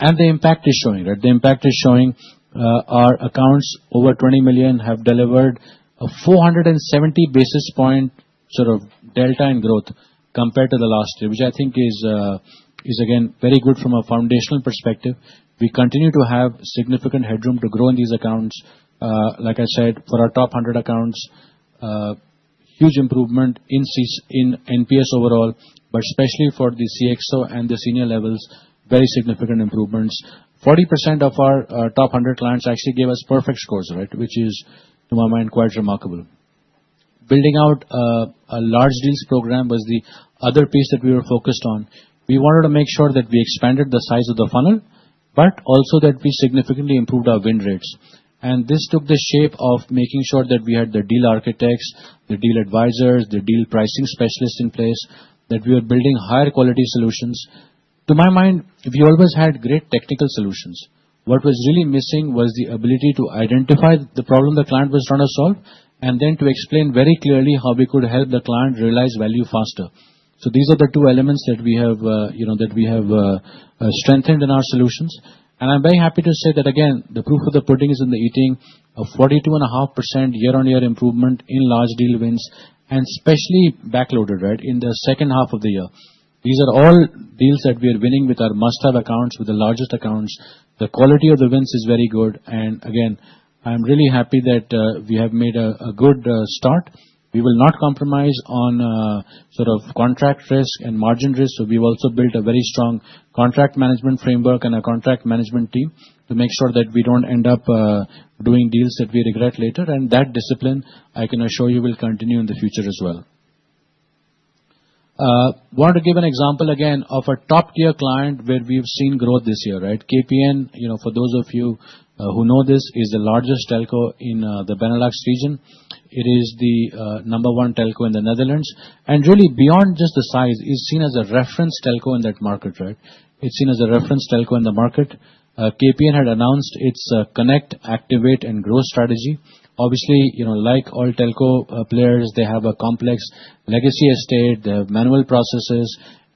The impact is showing. The impact is showing our accounts over $20 million have delivered a 470 basis point sort of delta in growth compared to the last year, which I think is, again, very good from a foundational perspective. We continue to have significant headroom to grow in these accounts. Like I said, for our top 100 accounts, huge improvement in NPS overall, but especially for the CXO and the senior levels, very significant improvements. 40% of our top 100 clients actually gave us perfect scores, which is, to my mind, quite remarkable. Building out a large deals program was the other piece that we were focused on. We wanted to make sure that we expanded the size of the funnel, but also that we significantly improved our win rates. This took the shape of making sure that we had the deal architects, the deal advisors, the deal pricing specialists in place, that we were building higher quality solutions. To my mind, we always had great technical solutions. What was really missing was the ability to identify the problem the client was trying to solve and then to explain very clearly how we could help the client realize value faster. These are the two elements that we have strengthened in our solutions. I am very happy to say that, again, the proof of the pudding is in the eating of 42.5% year-on-year improvement in large deal wins and especially backloaded in the second half of the year. These are all deals that we are winning with our must-have accounts, with the largest accounts. The quality of the wins is very good. I am really happy that we have made a good start. We will not compromise on sort of contract risk and margin risk. We have also built a very strong contract management framework and a contract management team to make sure that we do not end up doing deals that we regret later. That discipline, I can assure you, will continue in the future as well. I want to give an example again of a top-tier client where we have seen growth this year. KPN, for those of you who know this, is the largest Telco in the Benelux region. It is the number one Telco in the Netherlands. Really, beyond just the size, it is seen as a reference Telco in that market. It's seen as a reference Telco in the market. KPN had announced its connect, activate, and grow strategy. Obviously, like all Telco players, they have a complex legacy estate, the manual processes,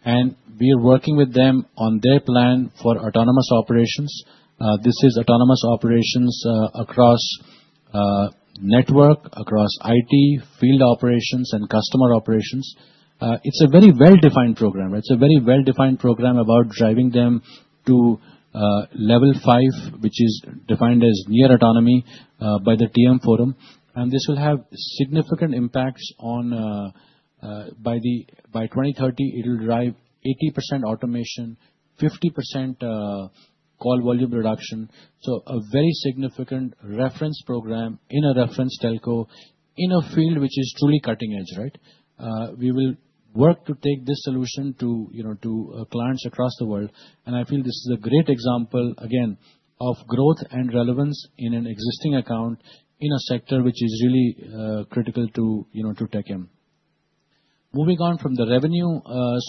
and we are working with them on their plan for autonomous operations. This is autonomous operations across network, across IT, field operations, and customer operations. It's a very well-defined program. It's a very well-defined program about driving them to level five, which is defined as near autonomy by the TM Forum. This will have significant impacts on by 2030. It will drive 80% automation, 50% call volume reduction. A very significant reference program in a reference Telco in a field which is truly cutting edge. We will work to take this solution to clients across the world. I feel this is a great example, again, of growth and relevance in an existing account in a sector which is really critical to TechM. Moving on from the revenue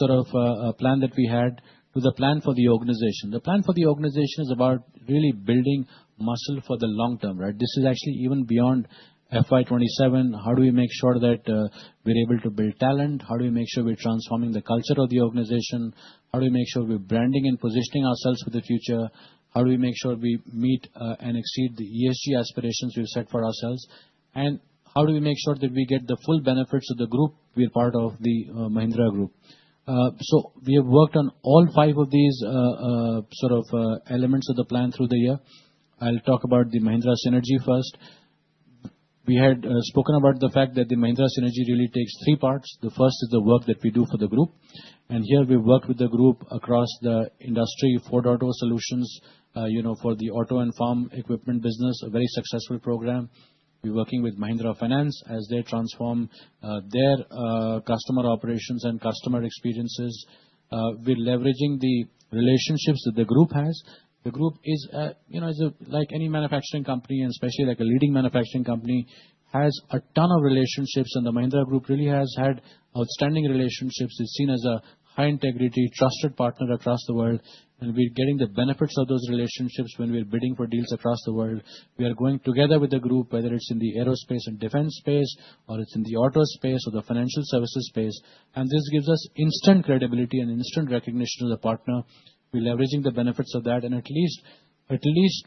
sort of plan that we had to the plan for the organization. The plan for the organization is about really building muscle for the long term. This is actually beyond FY 2027. how do we make sure that we're able t build talent? How do we make sure we're transforming the culture of the organization? How do we make sure we're branding and positioning ourselves for the future? How do we make sure we meet and exceed the ESG aspirations we've set for ourselves? How do we make sure that we get the full benefits of the group we're part of the Mahindra Group. We have worked on all five of these sort of elements of the plan through the year. I'll talk about the Mahindra Synergy first. We had spoken about the fact that the Mahindra Synergy really takes three parts. The first is the work that we do for the group. Here, we've worked with the group across the industry, Ford Auto Solutions for the auto and farm equipment business, a very successful program. We're working with Mahindra Finance as they transform their customer operations and customer experiences. We're leveraging the relationships that the group has. The group is like any manufacturing company, and especially like a leading manufacturing company, has a ton of relationships. The Mahindra Group really has had outstanding relationships. It's seen as a high-integrity, trusted partner across the world. We're getting the benefits of those relationships when we're bidding for deals across the world. We are going together with the group, whether it's in the aerospace and defense space, or it's in the auto space, or the financial services space. This gives us instant credibility and instant recognition of the partner. We're leveraging the benefits of that. At least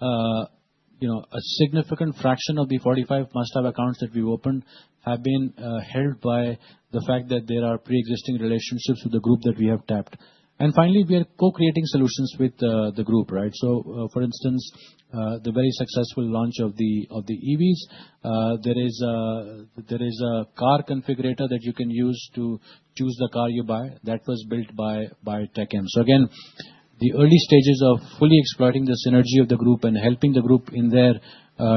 a significant fraction of the 45 must-have accounts that we've opened have been helped by the fact that there are pre-existing relationships with the group that we have tapped. Finally, we are co-creating solutions with the group. For instance, the very successful launch of the EVs. There is a car configurator that you can use to choose the car you buy. That was built TechM. Again, the early stages of fully exploiting the synergy of the group and helping the group in their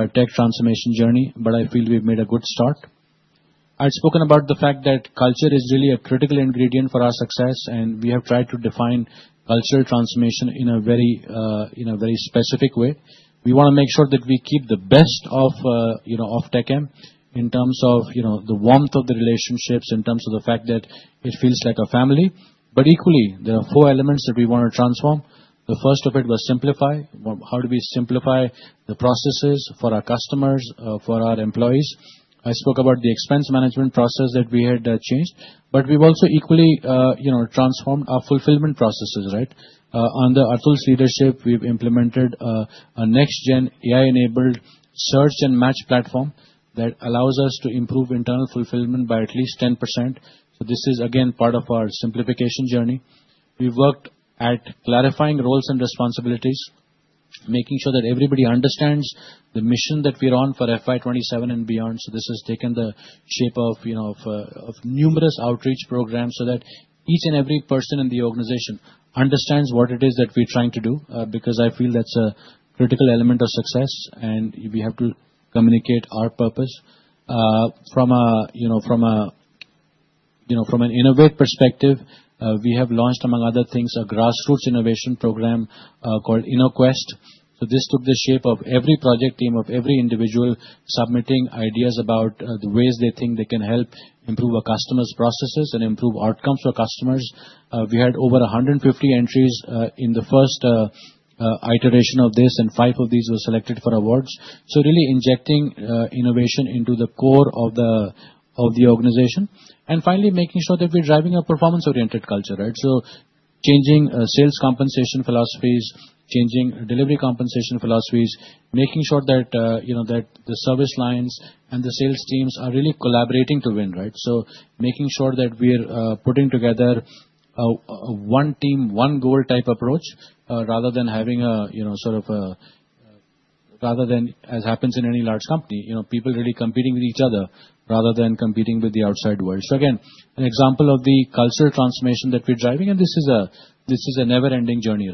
tech transformation journey. I feel we've made a good start. I've spoken about the fact that culture is really a critical ingredient for our success. We have tried to define cultural transformation in a very specific way. We want to make sure that we keep the best of TechM in terms of the warmth of the relationships, in terms of the fact that it feels like a family. Equally, there are four elements that we want to transform. The first of it was simplify. How do we simplify the processes for our customers, for our employees? I spoke about the expense management process that we had changed. We've also equally transformed our fulfillment processes. Under Arjun's leadership, we've implemented a next-gen AI-enabled search and match platform that allows us to improve internal fulfillment by at least 10%. This is, again, part of our simplification journey. We've worked at clarifying roles and responsibilities, making sure that everybody understands the mission that we're on FY 2027 and beyond. This has taken the shape of numerous outreach programs so that each and every person in the organization understands what it is that we're trying to do because I feel that's a critical element of success. We have to communicate our purpose. From an innovate perspective, we have launched, among other things, a grassroots innovation program called InnoQuest. This took the shape of every project team or every individual submitting ideas about the ways they think they can help improve our customers' processes and improve outcomes for customers. We had over 150 entries in the first iteration of this, and five of these were selected for awards. Really injecting innovation into the core of the organization. Finally, making sure that we're driving a performance-oriented culture. Changing sales compensation philosophies, changing delivery compensation philosophies, making sure that the service lines and the sales teams are really collaborating to win. Making sure that we're putting together a one-team, one-goal type approach rather than having a sort of a, rather than as happens in any large company, people really competing with each other rather than competing with the outside world. Again, an example of the cultural transformation that we're driving. This is a never-ending journey.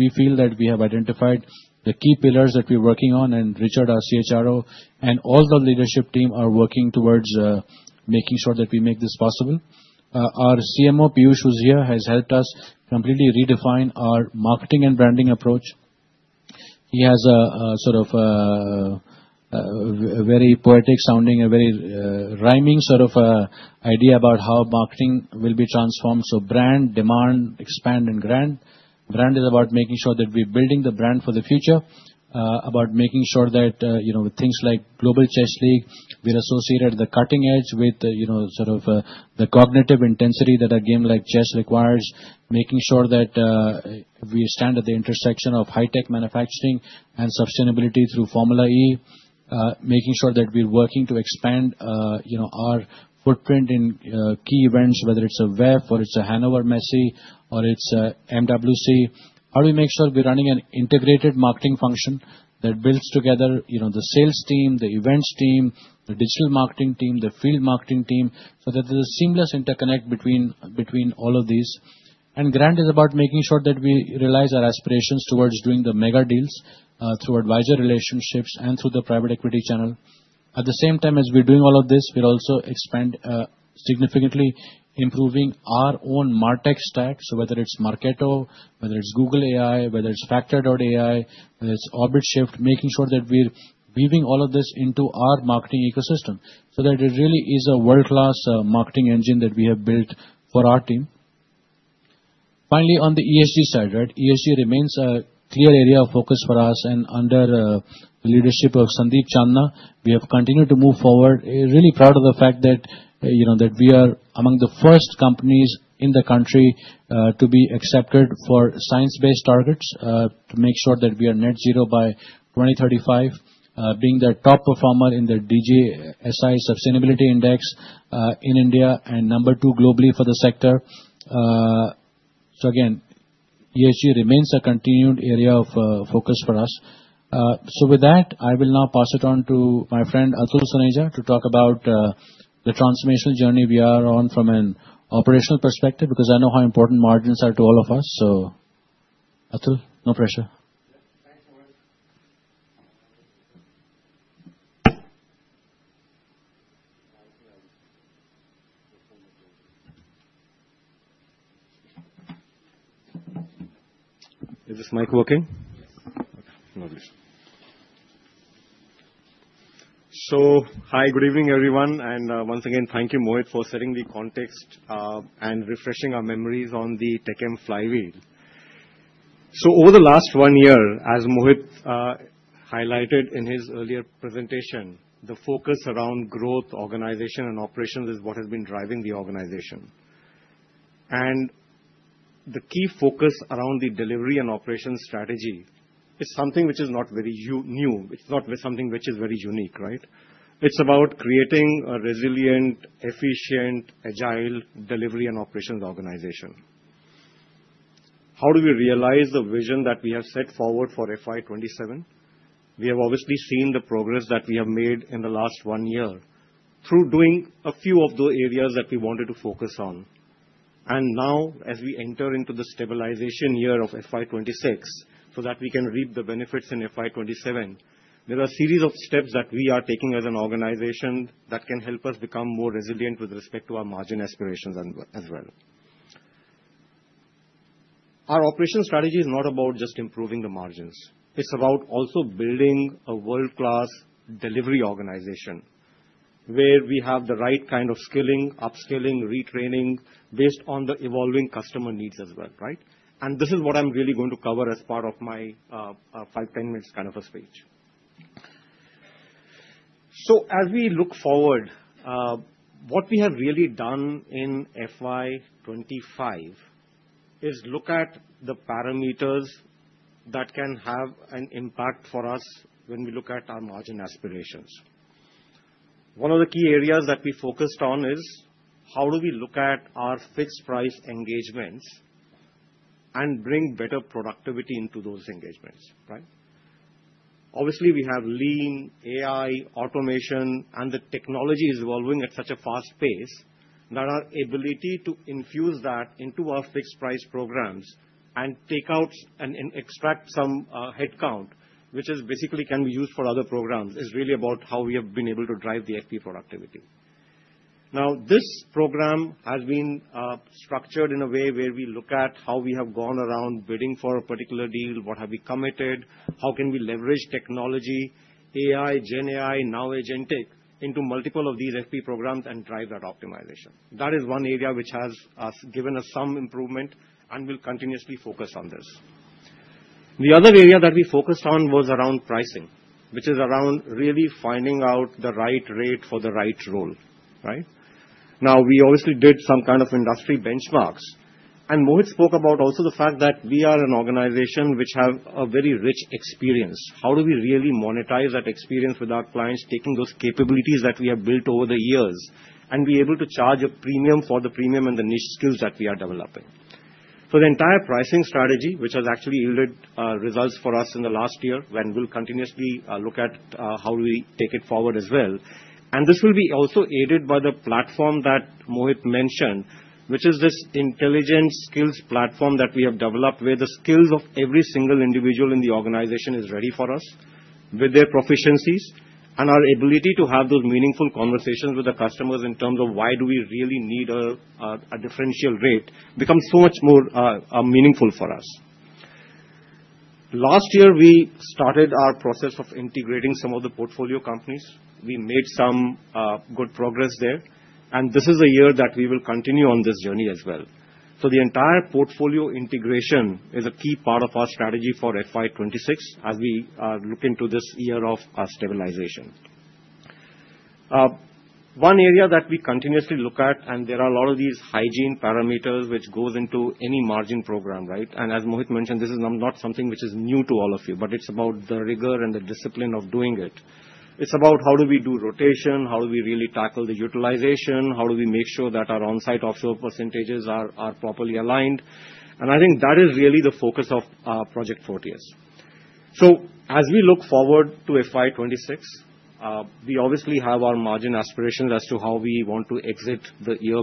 We feel that we have identified the key pillars that we're working on. Richard, our CHRO, and all the leadership team are working towards making sure that we make this possible. Our CMO, Peeyush Uzia, has helped us completely redefine our marketing and branding approach. He has a sort of very poetic-sounding and very rhyming sort of idea about how marketing will be transformed. Brand, demand, expand, and grant. Brand is about making sure that we're building the brand for the future, about making sure that with things like Global Chess League, we're associated at the cutting edge with sort of the cognitive intensity that a game like chess requires, making sure that we stand at the intersection of high-tech manufacturing and sustainability through Formula E, making sure that we're working to expand our footprint in key events, whether it's a WEF, or it's a Hannover Masse, or it's a MWC. How do we make sure we're running an integrated marketing function that builds together the sales team, the events team, the digital marketing team, the field marketing team so that there's a seamless interconnect between all of these? Grant is about making sure that we realize our aspirations towards doing the mega deals through advisor relationships and through the private equity channel. At the same time as we're doing all of this, we're also significantly improving our own MarTech stack. Whether it's Marketo, whether it's Google AI, whether it's Factor.ai, whether it's OrbitShift, making sure that we're weaving all of this into our marketing ecosystem so that it really is a world-class marketing engine that we have built for our team. Finally, on the ESG side, ESG remains a clear area of focus for us. Under the leadership of Sandeep Chandana, we have continued to move forward. Really proud of the fact that we are among the first companies in the country to be accepted for science-based targets to make sure that we are net zero by 2035, being the top performer in the DJSI Sustainability Index in India and number two globally for the sector. ESG remains a continued area of focus for us. With that, I will now pass it on to my friend, Atul Soneja, to talk about the transformational journey we are on from an operational perspective because I know how important margins are to all of us. Atul, no pressure. Is this mic working? Hi, good evening, everyone. Once again, thank you, Mohit, for setting the context and refreshing our memories on the TechM flywheel. Over the last one year, as Mohit highlighted in his earlier presentation, the focus around growth, organization, and operations is what has been driving the organization. The key focus around the delivery and operations strategy is something which is not very new. It is not something which is very unique. It is about creating a resilient, efficient, agile delivery and operations organization. How do we realize the vision that we have set FY 2027? we have obviously seen the progress that we have made in the last one year through doing a few of the areas that we wanted to focus on. Now, as we enter into the stabilization of FY 2026 so that we can reap the in FY 2027, there are a series of steps that we are taking as an organization that can help us become more resilient with respect to our margin aspirations as well. Our operation strategy is not about just improving the margins. It's about also building a world-class delivery organization where we have the right kind of skilling, upskilling, retraining based on the evolving customer needs as well. This is what I'm really going to cover as part of my five, ten minutes kind of a speech. As we look forward, what we have really in FY 2025 is look at the parameters that can have an impact for us when we look at our margin aspirations. One of the key areas that we focused on is how do we look at our fixed-price engagements and bring better productivity into those engagements? Obviously, we have lean, AI, automation, and the technology is evolving at such a fast pace that our ability to infuse that into our fixed-price programs and take out and extract some headcount, which basically can be used for other programs, is really about how we have been able to drive the FP productivity. Now, this program has been structured in a way where we look at how we have gone around bidding for a particular deal, what have we committed, how can we leverage technology, AI, GenAI, now Agentic into multiple of these FP programs and drive that optimization. That is one area which has given us some improvement and will continuously focus on this. The other area that we focused on was around pricing, which is around really finding out the right rate for the right role. Now, we obviously did some kind of industry benchmarks. Mohit spoke about also the fact that we are an organization which has a very rich experience. How do we really monetize that experience with our clients, taking those capabilities that we have built over the years and be able to charge a premium for the premium and the niche skills that we are developing? The entire pricing strategy, which has actually yielded results for us in the last year, and we'll continuously look at how do we take it forward as well. This will also be aided by the platform that Mohit mentioned, which is this intelligent skills platform that we have developed where the skills of every single individual in the organization are ready for us with their proficiencies. Our ability to have those meaningful conversations with the customers in terms of why we really need a differential rate becomes so much more meaningful for us. Last year, we started our process of integrating some of the portfolio companies. We made some good progress there. This is a year that we will continue on this journey as well. The entire portfolio integration is a key part of our FY 2026 as we look into this year of stabilization. One area that we continuously look at, and there are a lot of these hygiene parameters which go into any margin program. As Mohit mentioned, this is not something which is new to all of you, but it's about the rigor and the discipline of doing it. It's about how do we do rotation, how do we really tackle the utilization, how do we make sure that our on-site offshore percentages are properly aligned. I think that is really the focus of Project Fortius. As we look FY 2026, we obviously have our margin aspirations as to how we want to exit the year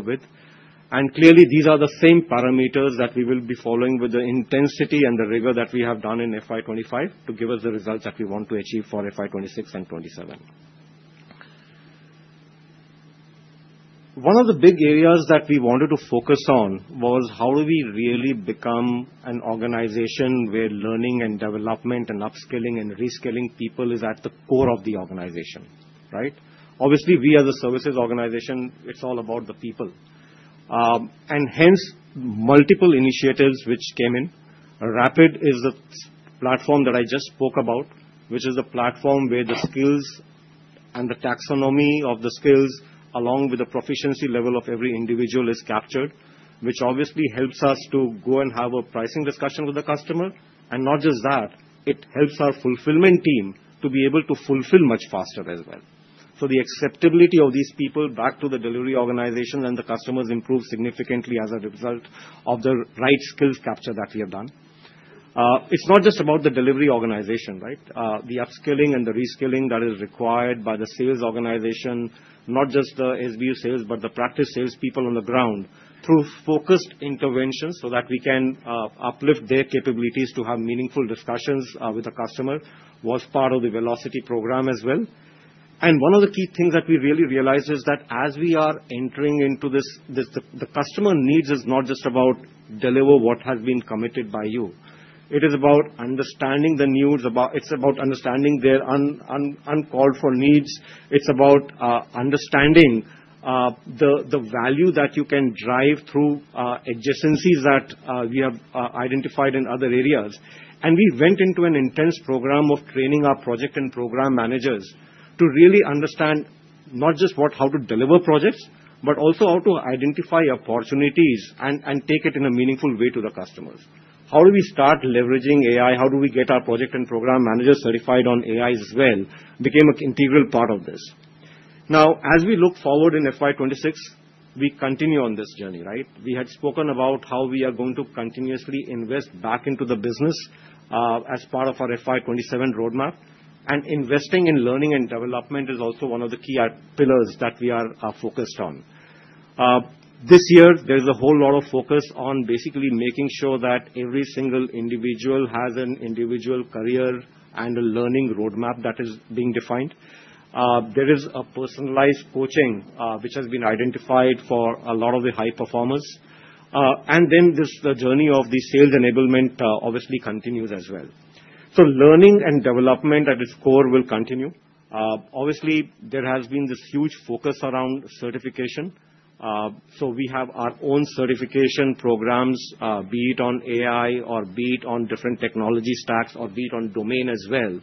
with. Clearly, these are the same parameters that we will be following with the intensity and the rigor that we have FY 2025 to give us the results that we want to achieve and FY 2027. One of the big areas that we wanted to focus on was how do we really become an organization where learning and development and upskilling and reskilling people is at the core of the organization. Obviously, we as a services organization, it's all about the people. Hence, multiple initiatives which came in. RAPID is the platform that I just spoke about, which is the platform where the skills and the taxonomy of the skills along with the proficiency level of every individual is captured, which obviously helps us to go and have a pricing discussion with the customer. Not just that, it helps our fulfillment team to be able to fulfill much faster as well. The acceptability of these people back to the delivery organization and the customers improves significantly as a result of the right skills capture that we have done. It's not just about the delivery organization, the upskilling and the reskilling that is required by the sales organization, not just the SBU sales, but the practice salespeople on the ground through focused interventions so that we can uplift their capabilities to have meaningful discussions with the customer was part of the velocity program as well. One of the key things that we really realized is that as we are entering into this, the customer needs is not just about deliver what has been committed by you. It is about understanding the needs. It's about understanding their uncalled-for needs. It's about understanding the value that you can drive through adjacencies that we have identified in other areas. We went into an intense program of training our project and program managers to really understand not just how to deliver projects, but also how to identify opportunities and take it in a meaningful way to the customers. How do we start leveraging AI? How do we get our project and program managers certified on AI as well? It became an integral part of this. Now, as we look in FY 2026, we continue on this journey. We had spoken about how we are going to continuously invest back into the business as part of FY 2027 roadmap. Investing in learning and development is also one of the key pillars that we are focused on. This year, there is a whole lot of focus on basically making sure that every single individual has an individual career and a learning roadmap that is being defined. There is a personalized coaching which has been identified for a lot of the high performers. The journey of the sales enablement obviously continues as well. Learning and development at its core will continue. Obviously, there has been this huge focus around certification. We have our own certification programs, be it on AI, or be it on different technology stacks, or be it on domain as well,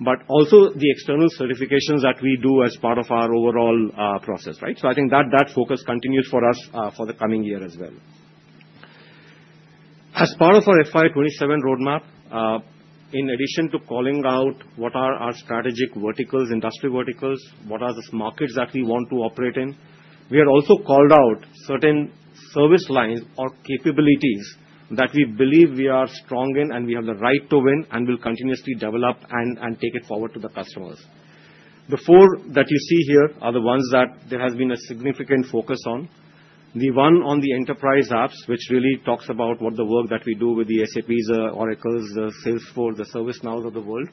but also the external certifications that we do as part of our overall process. I think that focus continues for us for the coming year as well. As part of FY 2027 roadmap, in addition to calling out what are our strategic verticals, industry verticals, what are the markets that we want to operate in, we are also called out certain service lines or capabilities that we believe we are strong in and we have the right to win and will continuously develop and take it forward to the customers. The four that you see here are the ones that there has been a significant focus on. The one on the enterprise apps, which really talks about what the work that we do with the SAPs, Oracles, Salesforce, the ServiceNow of the world,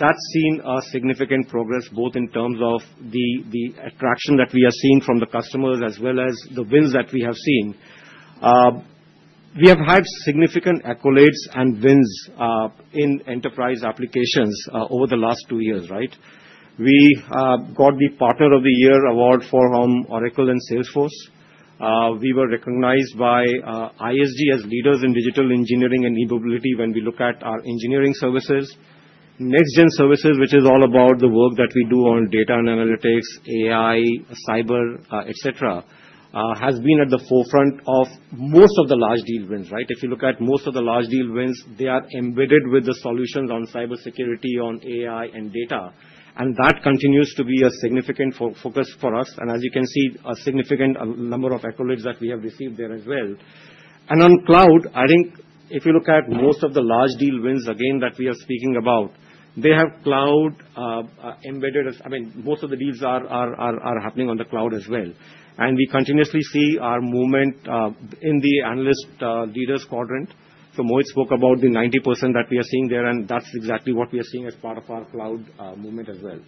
that's seen significant progress both in terms of the attraction that we have seen from the customers as well as the wins that we have seen. We have had significant accolades and wins in enterprise applications over the last two years. We got the Partner of the Year award for Oracle and Salesforce. We were recognized by ISG as leaders in digital engineering and capability when we look at our engineering services. Next-gen services, which is all about the work that we do on data and analytics, AI, cyber, etc., has been at the forefront of most of the large deal wins. If you look at most of the large deal wins, they are embedded with the solutions on cybersecurity, on AI, and data. That continues to be a significant focus for us. As you can see, a significant number of accolades that we have received there as well. On cloud, I think if you look at most of the large deal wins, again, that we are speaking about, they have cloud embedded. I mean, most of the deals are happening on the cloud as well. We continuously see our movement in the analyst leaders quadrant. Mohit spoke about the 90% that we are seeing there, and that's exactly what we are seeing as part of our cloud movement as well.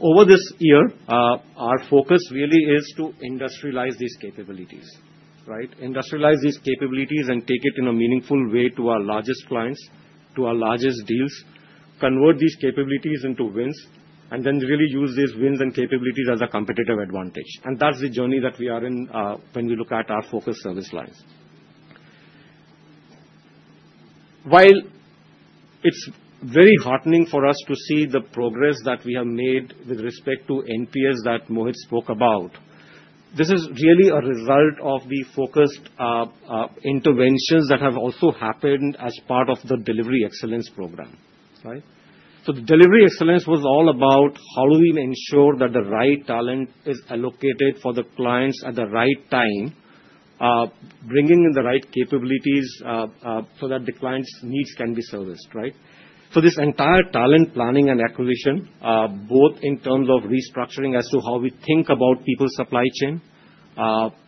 Over this year, our focus really is to industrialize these capabilities, industrialize these capabilities, and take it in a meaningful way to our largest clients, to our largest deals, convert these capabilities into wins, and then really use these wins and capabilities as a competitive advantage. That's the journey that we are in when we look at our focus service lines. While it's very heartening for us to see the progress that we have made with respect to NPS that Mohit spoke about, this is really a result of the focused interventions that have also happened as part of the delivery excellence program. The delivery excellence was all about how do we ensure that the right talent is allocated for the clients at the right time, bringing in the right capabilities so that the client's needs can be serviced. This entire talent planning and acquisition, both in terms of restructuring as to how we think about people's supply chain,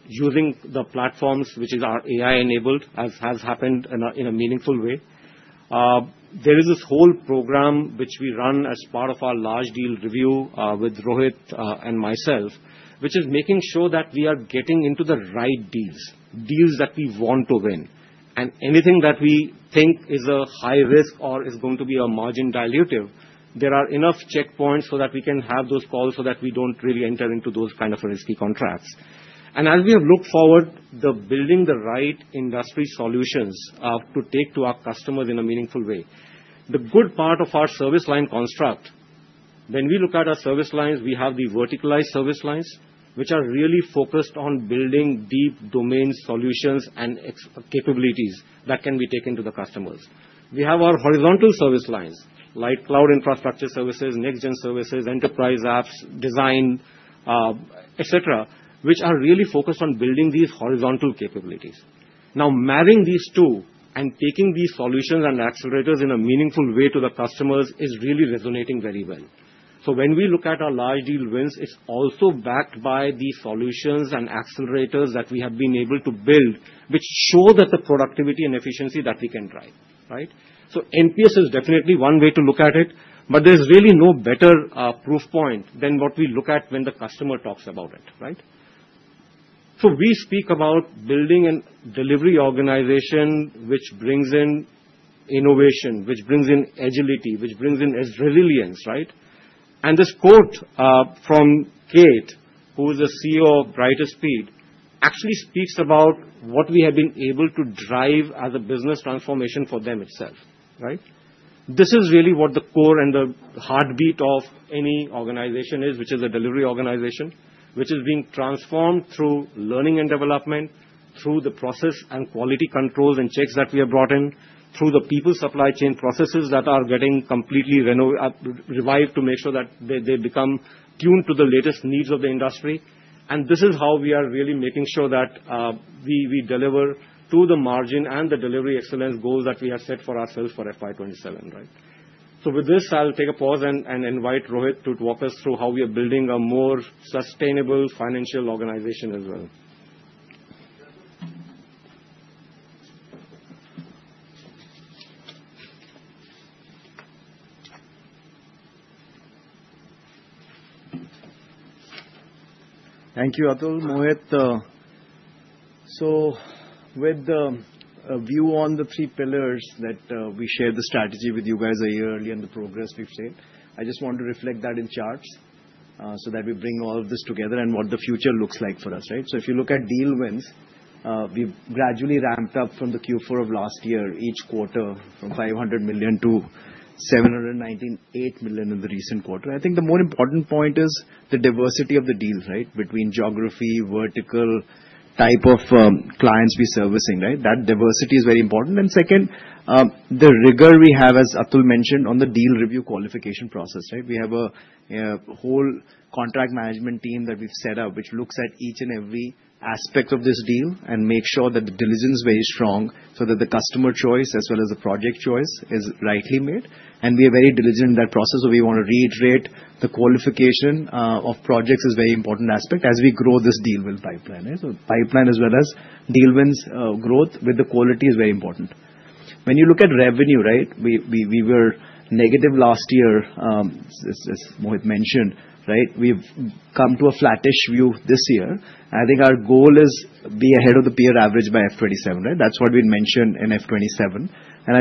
using the platforms which are AI-enabled, has happened in a meaningful way. There is this whole program which we run as part of our large deal review with Rohit and myself, which is making sure that we are getting into the right deals, deals that we want to win. Anything that we think is a high risk or is going to be a margin dilutive, there are enough checkpoints so that we can have those calls so that we do not really enter into those kinds of risky contracts. As we have looked forward, building the right industry solutions to take to our customers in a meaningful way. The good part of our service line construct, when we look at our service lines, we have the verticalized service lines, which are really focused on building deep domain solutions and capabilities that can be taken to the customers. We have our horizontal service lines, like Cloud Infrastructure services, Next-Gen services, Enterprise Apps, Design, etc., which are really focused on building these horizontal capabilities. Now, mapping these two and taking these solutions and accelerators in a meaningful way to the customers is really resonating very well. When we look at our large deal wins, it is also backed by the solutions and accelerators that we have been able to build, which show that the productivity and efficiency that we can drive. NPS is definitely one way to look at it, but there's really no better proof point than what we look at when the customer talks about it. We speak about building a delivery organization which brings in innovation, which brings in agility, which brings in resilience. This quote from Kate, who is the CEO of Brighter Speed, actually speaks about what we have been able to drive as a business transformation for them itself. This is really what the core and the heartbeat of any organization is, which is a delivery organization, which is being transformed through learning and development, through the process and quality controls and checks that we have brought in, through the people supply chain processes that are getting completely revived to make sure that they become tuned to the latest needs of the industry. This is how we are really making sure that we deliver to the margin and the delivery excellence goals that we have set for FY 2027. with this, I'll take a pause and invite Rohit to talk us through how we are building a more sustainable financial organization as well. Thank you, Atul. Mohit, with a view on the three pillars that we shared the strategy with you guys earlier and the progress we've seen, I just want to reflect that in charts so that we bring all of this together and what the future looks like for us. If you look at deal wins, we've gradually ramped up from the Q4 of last year, each quarter from $500 million to $798 million in the recent quarter. I think the more important point is the diversity of the deals between geography, vertical, type of clients we're servicing. That diversity is very important. The rigor we have, as Atul mentioned, on the deal review qualification process is also key. We have a whole contract management team that we've set up, which looks at each and every aspect of this deal and makes sure that the diligence is very strong so that the customer choice as well as the project choice is rightly made. We are very diligent in that process. We want to reiterate the qualification of projects is a very important aspect as we grow this deal pipeline. Pipeline as well as deal wins growth with the quality is very important. When you look at revenue, we were negative last year, as Mohit mentioned. We've come to a flattish view this year. I think our goal is to be ahead of the peer average by fiscal 2027. That is what we mentioned in fiscal 2027.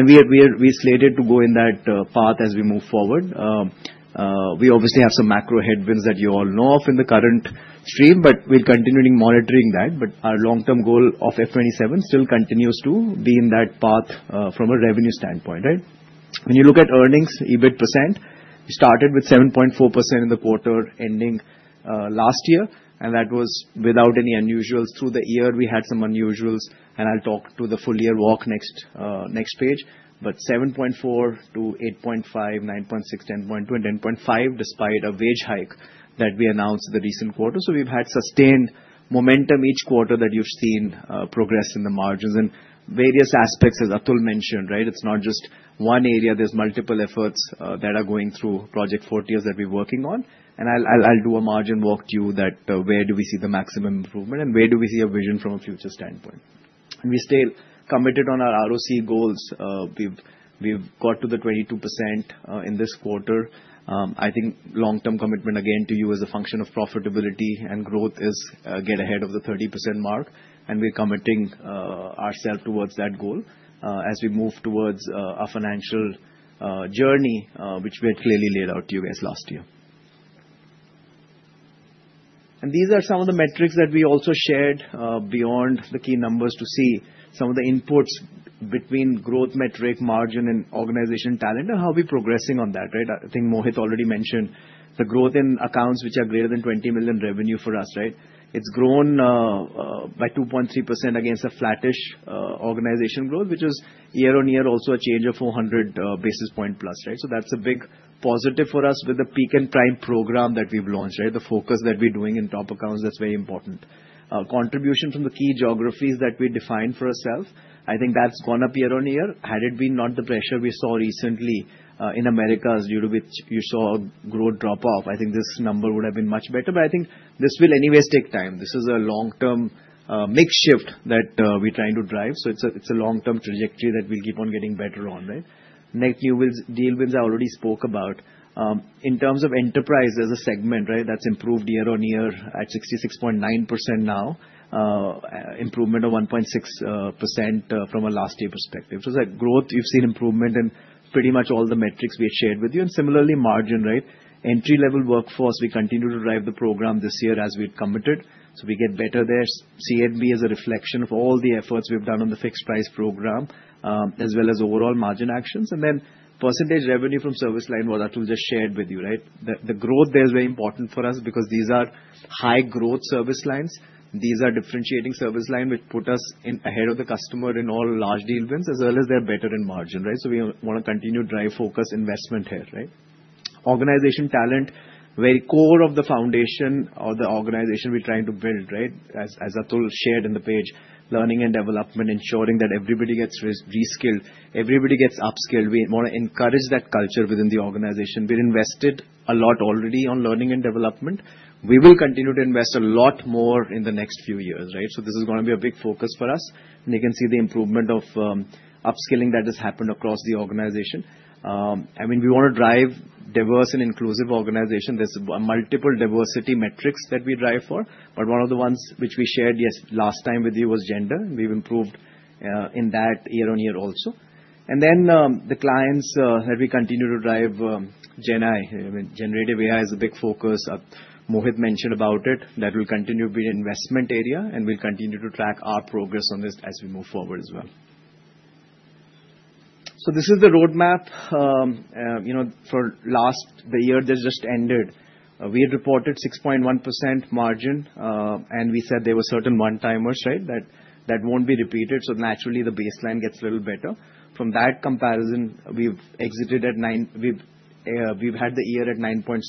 We are slated to go in that path as we move forward. We obviously have some macro headwinds that you all know of in the current stream, but we are continuing monitoring that. Our long-term goal of fiscal 2027 still continues to be in that path from a revenue standpoint. When you look at earnings, EBIT %, we started with 7.4% in the quarter ending last year, and that was without any unusuals. Through the year, we had some unusuals, and I will talk to the full year walk next page, but 7.4% to 8.5%, 9.6%, 10.2%, and 10.5% despite a wage hike that we announced in the recent quarter. We have had sustained momentum each quarter that you have seen progress in the margins and various aspects, as Atul mentioned. It's not just one area. There's multiple efforts that are going through Project Fortius that we're working on. I'll do a margin walk to you that where do we see the maximum improvement and where do we see a vision from a future standpoint. We're still committed on our ROCE goals. We've got to the 22% in this quarter. I think long-term commitment, again, to you as a function of profitability and growth is to get ahead of the 30% mark. We're committing ourselves towards that goal as we move towards a financial journey, which we had clearly laid out to you guys last year. These are some of the metrics that we also shared beyond the key numbers to see some of the inputs between growth metric, margin, and organization talent, and how we're progressing on that. I think Mohit already mentioned the growth in accounts, which are greater than $20 million revenue for us. It's grown by 2.3% against a flattish organization growth, which is year on year also a change of 400 basis points plus. That's a big positive for us with the peak and prime program that we've launched, the focus that we're doing in top accounts that's very important. Contribution from the key geographies that we defined for ourselves, I think that's gone up year on year. Had it been not the pressure we saw recently in Americas due to which you saw growth drop off, I think this number would have been much better. I think this will anyways take time. This is a long-term makeshift that we're trying to drive. It's a long-term trajectory that we'll keep on getting better on. Next new deal wins I already spoke about. In terms of enterprise as a segment, that's improved year on year at 66.9% now, improvement of 1.6% from a last year perspective. That growth, you've seen improvement in pretty much all the metrics we had shared with you. Similarly, margin, entry-level workforce, we continue to drive the program this year as we've committed. We get better there. CNB is a reflection of all the efforts we've done on the fixed price program as well as overall margin actions. Percentage revenue from service line was what Atul just shared with you. The growth there is very important for us because these are high-growth service lines. These are differentiating service lines, which put us ahead of the customer in all large deal wins as well as they're better in margin. We want to continue to drive focus investment here. Organization talent, very core of the foundation of the organization we're trying to build. As Atul shared in the page, learning and development, ensuring that everybody gets reskilled, everybody gets upskilled. We want to encourage that culture within the organization. We've invested a lot already on learning and development. We will continue to invest a lot more in the next few years. This is going to be a big focus for us. You can see the improvement of upskilling that has happened across the organization. I mean, we want to drive diverse and inclusive organization. There's multiple diversity metrics that we drive for. One of the ones which we shared last time with you was gender. We've improved in that year-on-year also. The clients that we continue to drive, GenAI, Generative AI is a big focus. Mohit mentioned about it. That will continue to be an investment area, and we'll continue to track our progress on this as we move forward as well. This is the roadmap for last year. This just ended. We reported 6.1% margin, and we said there were certain one-timers that won't be repeated. Naturally, the baseline gets a little better. From that comparison, we've exited at 9%. We've had the year at 9.7%.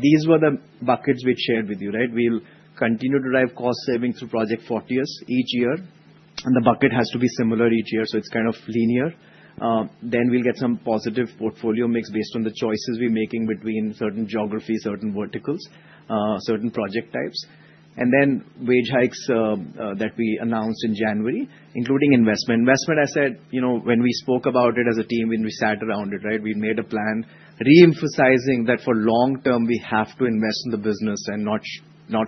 These were the buckets we'd shared with you. We'll continue to drive cost savings through Project Fortius each year. The bucket has to be similar each year, so it's kind of linear. We'll get some positive portfolio mix based on the choices we're making between certain geographies, certain verticals, certain project types. Wage hikes that we announced in January, including investment. Investment, I said, when we spoke about it as a team, when we sat around it, we made a plan reemphasizing that for long term, we have to invest in the business and not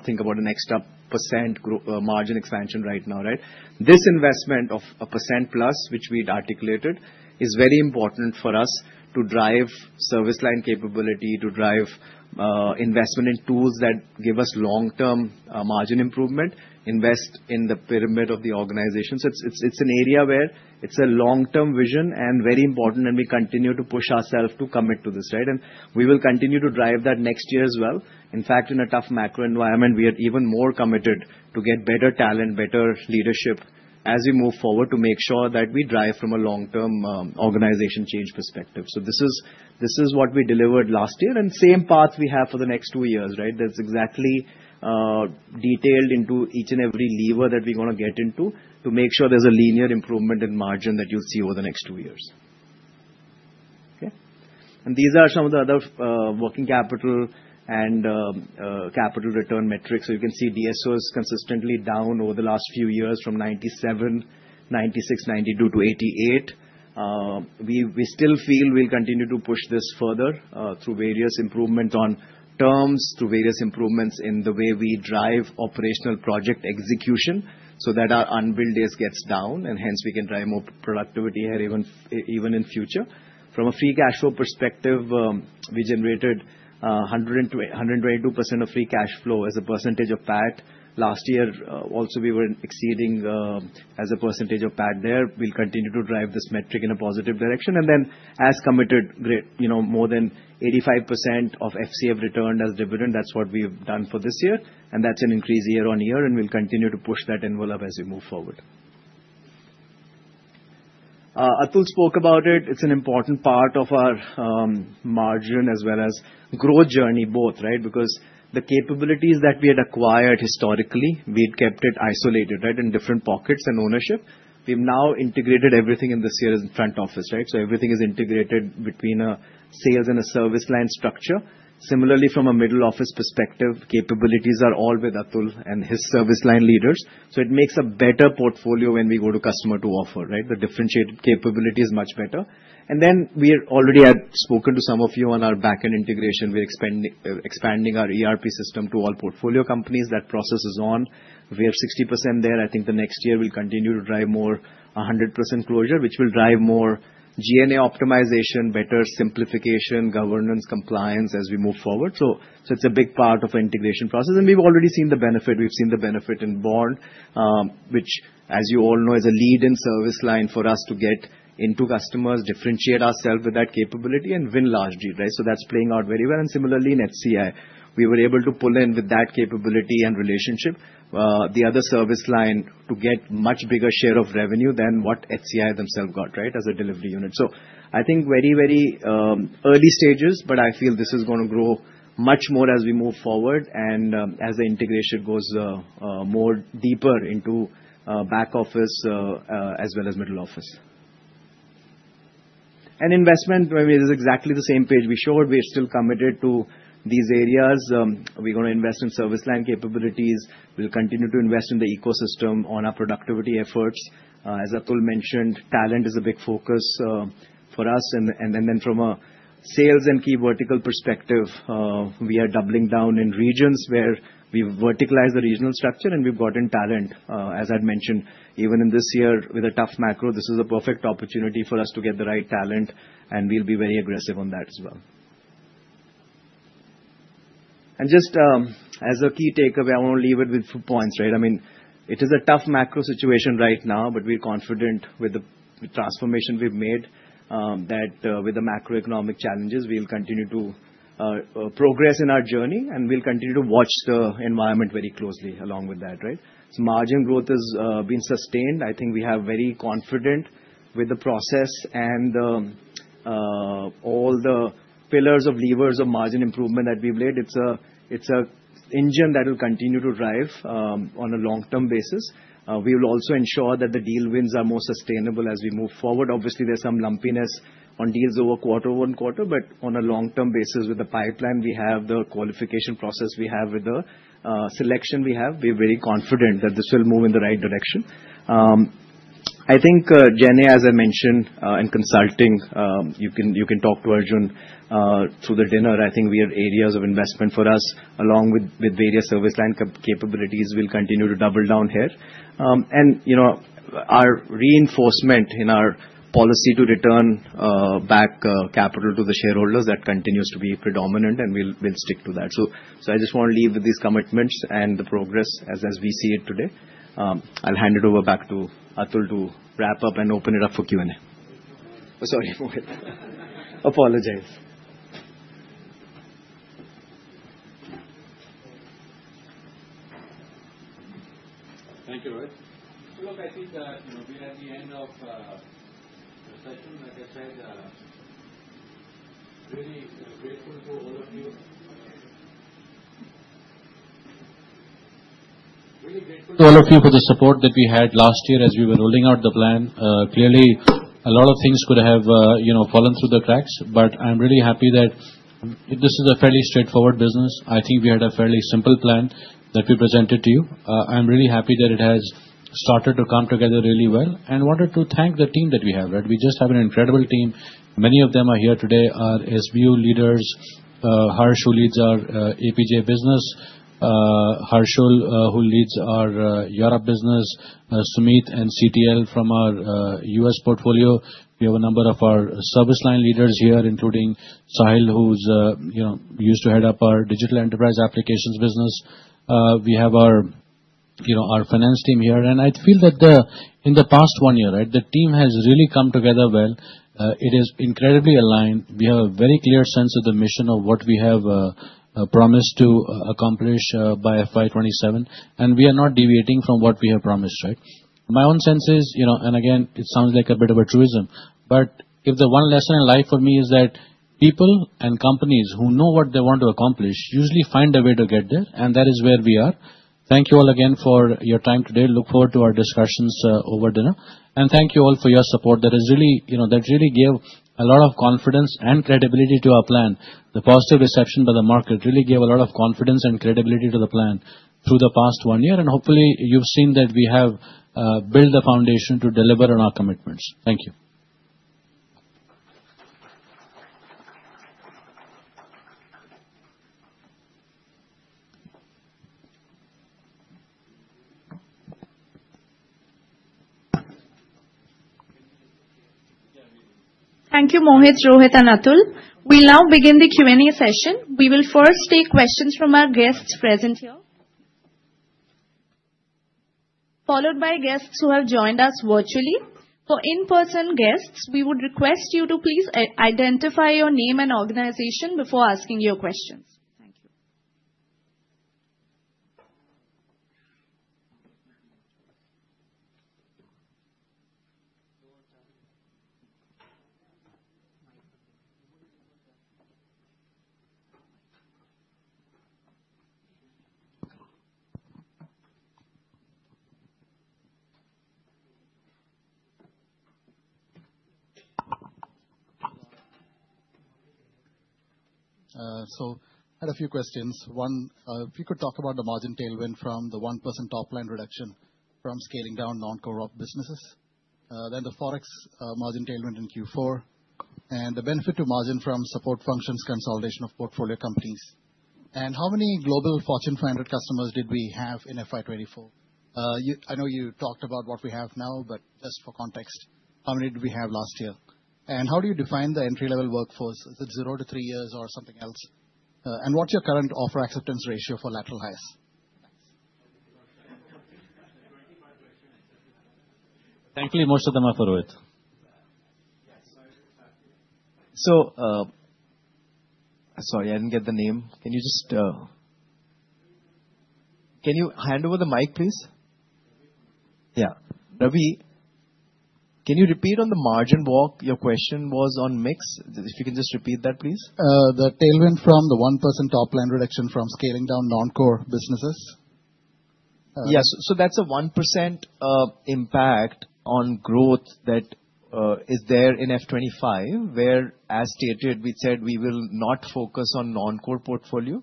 think about a next-up % margin expansion right now. This investment of a % plus, which we'd articulated, is very important for us to drive service line capability, to drive investment in tools that give us long-term margin improvement, invest in the pyramid of the organization. It is an area where it is a long-term vision and very important, and we continue to push ourselves to commit to this. We will continue to drive that next year as well. In fact, in a tough macro environment, we are even more committed to get better talent, better leadership as we move forward to make sure that we drive from a long-term organization change perspective. This is what we delivered last year, and same path we have for the next two years. That is exactly detailed into each and every lever that we're going to get into to make sure there's a linear improvement in margin that you'll see over the next two years. These are some of the other working capital and capital return metrics. You can see DSO is consistently down over the last few years from 97%, 96%, 92% to 88%. We still feel we'll continue to push this further through various improvements on terms, through various improvements in the way we drive operational project execution so that our unbilled days get down, and hence we can drive more productivity here even in future. From a free cash flow perspective, we generated 122% of free cash flow as a percentage of PAT. Last year, also we were exceeding as a percentage of PAT there. We'll continue to drive this metric in a positive direction. As committed, more than 85% of FCF returned as dividend. That's what we've done for this year. That's an increase year-on-year, and we'll continue to push that envelope as we move forward. Atul spoke about it. It's an important part of our margin as well as growth journey, both, because the capabilities that we had acquired historically, we'd kept it isolated in different pockets and ownership. We've now integrated everything in this year's front office. Everything is integrated between a sales and a service line structure. Similarly, from a middle office perspective, capabilities are all with Atul and his service line leaders. It makes a better portfolio when we go to customer to offer. The differentiated capability is much better. We already had spoken to some of you on our backend integration. We're expanding our ERP system to all portfolio companies. That process is on. We have 60% there. I think the next year we'll continue to drive more 100% closure, which will drive more G&A optimization, better simplification, governance, compliance as we move forward. It is a big part of our integration process. We have already seen the benefit. We have seen the benefit in Bond, which, as you all know, is a lead-in service line for us to get into customers, differentiate ourselves with that capability, and win large deals. That is playing out very well. Similarly, in HCI, we were able to pull in with that capability and relationship the other service line to get a much bigger share of revenue than what HCI themselves got as a delivery unit. I think very, very early stages, but I feel this is going to grow much more as we move forward and as the integration goes more deeper into back office as well as middle office. Investment, I mean, it is exactly the same page we showed. We are still committed to these areas. We are going to invest in service line capabilities. We'll continue to invest in the ecosystem on our productivity efforts. As Atul mentioned, talent is a big focus for us. Then from a sales and key vertical perspective, we are doubling down in regions where we've verticalized the regional structure and we've gotten talent. As I'd mentioned, even in this year with a tough macro, this is a perfect opportunity for us to get the right talent, and we'll be very aggressive on that as well. I mean, it is a tough macro situation right now, but we're confident with the transformation we've made that with the macroeconomic challenges, we'll continue to progress in our journey, and we'll continue to watch the environment very closely along with that. Margin growth has been sustained. I think we have very confidence with the process and all the pillars of levers of margin improvement that we've laid. It's an engine that will continue to drive on a long-term basis. We will also ensure that the deal wins are more sustainable as we move forward. Obviously, there's some lumpiness on deals over quarter over quarter, but on a long-term basis with the pipeline, we have the qualification process, we have the selection we have. We're very confident that this will move in the right direction. I think GenAI, as I mentioned, and consulting, you can talk to Arjun through the dinner. I think we are areas of investment for us along with various service line capabilities. We'll continue to double down here. Our reinforcement in our policy to return back capital to the shareholders, that continues to be predominant, and we'll stick to that. I just want to leave with these commitments and the progress as we see it today. I'll hand it over back to Atul to wrap up and open it up for Q&A. Apologies. Thank you, Rohit. Look, I think that we're at the end of the session. Like I said, really grateful to all of you. Really grateful to all of you for the support that we had last year as we were rolling out the plan. Clearly, a lot of things could have fallen through the cracks, but I'm really happy that this is a fairly straightforward business. I think we had a fairly simple plan that we presented to you. I'm really happy that it has started to come together really well. I wanted to thank the team that we have. We just have an incredible team. Many of them who are here today are SBU leaders. Harsh who leads our APJ business. Harshul, who leads our Europe business. Sumit, and CTL from our U.S. portfolio. We have a number of our service line leaders here, including Sahil, who used to head up our digital enterprise applications business. We have our finance team here. I feel that in the past one year, the team has really come together well. It is incredibly aligned. We have a very clear sense of the mission of what we have promised to FY 2027. we are not deviating from what we have promised. My own sense is, and again, it sounds like a bit of a truism, but if the one lesson in life for me is that people and companies who know what they want to accomplish usually find a way to get there, and that is where we are. Thank you all again for your time today. I look forward to our discussions over dinner. Thank you all for your support. That really gave a lot of confidence and credibility to our plan. The positive reception by the market really gave a lot of confidence and credibility to the plan through the past one year. Hopefully, you've seen that we have built the foundation to deliver on our commitments. Thank you. Thank you, Mohit, Rohit, and Atul. We'll now begin the Q&A session. We will first take questions from our guests present here, followed by guests who have joined us virtually. For in-person guests, we would request you to please identify your name and organization before asking your questions. Thank you. I had a few questions. One, if we could talk about the margin tailwind from the 1% top line reduction from scaling down non-core businesses. Then the forex margin tailwind in Q4. The benefit to margin from support functions consolidation of portfolio companies. How many global Fortune 500 customers did we FY 2024? i know you talked about what we have now, but just for context, how many did we have last year? How do you define the entry-level workforce? Is it zero to three years or something else? What's your current offer acceptance ratio for lateral hires? Thankfully, most of them are for Rohit. Sorry, I didn't get the name. Can you just hand over the mic, please? Yeah. Ravi, can you repeat on the margin walk? Your question was on mix. If you can just repeat that, please. The tailwind from the 1% top line reduction from scaling down non-core businesses. Yes. That is a 1% impact on growth that is there in FY 2025, where, as stated, we said we will not focus on non-core portfolio.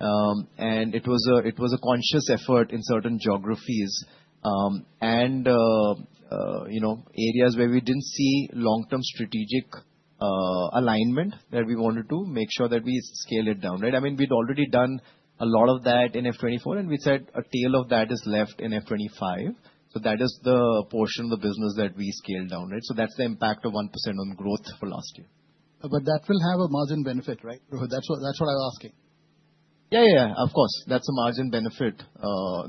It was a conscious effort in certain geographies and areas where we didn't see long-term strategic alignment that we wanted to make sure that we scale it down. I mean, we'd already done a lot of that in FY 2024, and we said a tail of that is FY 2025. that is the portion of the business that we scaled down. That is the impact of 1% on growth for last year. That will have a margin benefit, right? That's what I was asking. Yeah, yeah, yeah. Of course. That's a margin benefit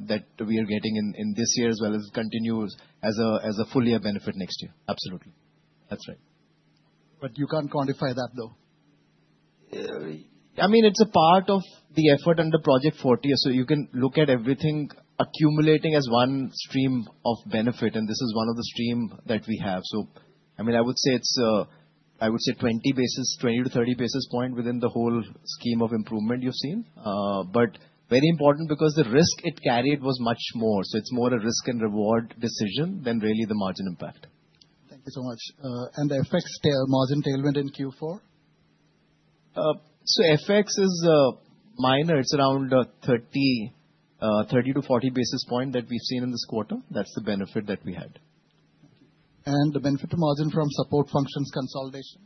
that we are getting in this year as well as continue as a full year benefit next year. Absolutely. That's right. You can't quantify that, though. I mean, it's a part of the effort under Project Fortius. You can look at everything accumulating as one stream of benefit. This is one of the streams that we have. I would say it's, I would say, 20 basis, 20-30 basis points within the whole scheme of improvement you've seen. Very important because the risk it carried was much more. It's more a risk and reward decision than really the margin impact. Thank you so much. The FX margin tailwind in Q4? FX is minor. It's around 30-40 basis points that we've seen in this quarter. That's the benefit that we had. The benefit to margin from support functions consolidation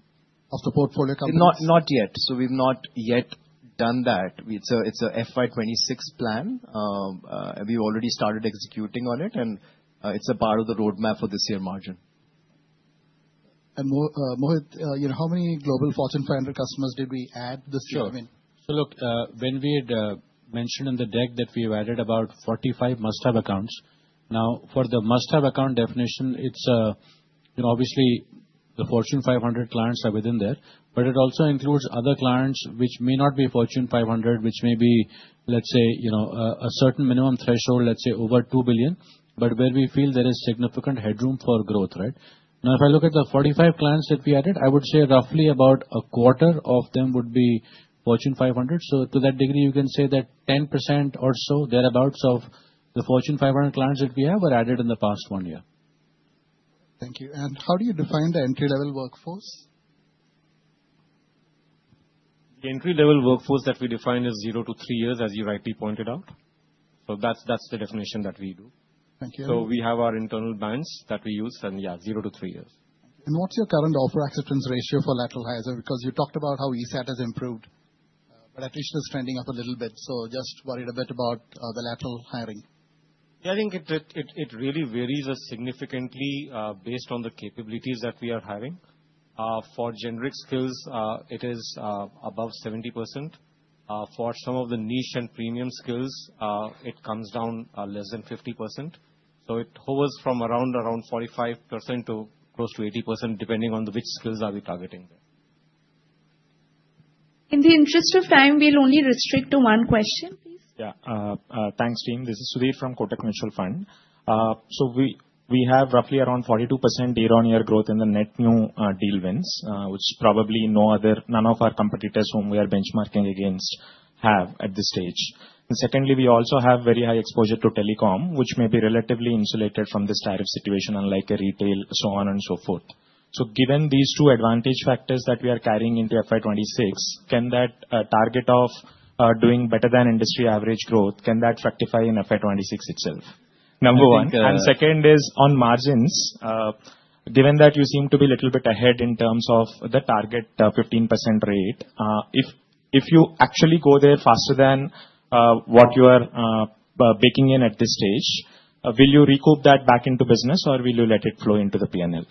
of the portfolio companies? Not yet. We've not yet done that. FY 2026 plan. we've already started executing on it, and it's a part of the roadmap for this year's margin. Mohit, how many Global Fortune 500 customers did we add this year? Look, when we had mentioned in the deck that we've added about 45 must-have accounts. Now, for the must-have account definition, obviously, the Fortune 500 clients are within there, but it also includes other clients which may not be Fortune 500, which may be, let's say, a certain minimum threshold, let's say, over $2 billion, but where we feel there is significant headroom for growth. Now, if I look at the 45 clients that we added, I would say roughly about a quarter of them would be Fortune 500. To that degree, you can say that 10% or so, thereabouts, of the Fortune 500 clients that we have were added in the past one year. Thank you. How do you define the entry-level workforce? The entry-level workforce that we define is zero to three years, as you rightly pointed out. That is the definition that we do. We have our internal bands that we use, and yeah, zero to three years. What's your current offer acceptance ratio for lateral hires? You talked about how ESAT has improved, but at least it's trending up a little bit. Just worried a bit about the lateral hiring. I think it really varies significantly based on the capabilities that we are hiring. For generic skills, it is above 70%. For some of the niche and premium skills, it comes down less than 50%. It hovers from around 45% to close to 80%, depending on which skills we are targeting. In the interest of time, we'll only restrict to one question, please. Yeah. Thanks, team. This is Sudheer from Kotak Mutual Fund. We have roughly around 42% year-on-year growth in the net new deal wins, which probably none of our competitors whom we are benchmarking against have at this stage. Secondly, we also have very high exposure to telecom, which may be relatively insulated from this tariff situation, unlike retail, so on and so forth. Given these two advantage factors that we are FY 2026, can that target of doing better than industry average growth, can that FY 2026 itself? number one. Second is on margins, given that you seem to be a little bit ahead in terms of the target 15% rate, if you actually go there faster than what you are baking in at this stage, will you recoup that back into business, or will you let it flow into the P&L?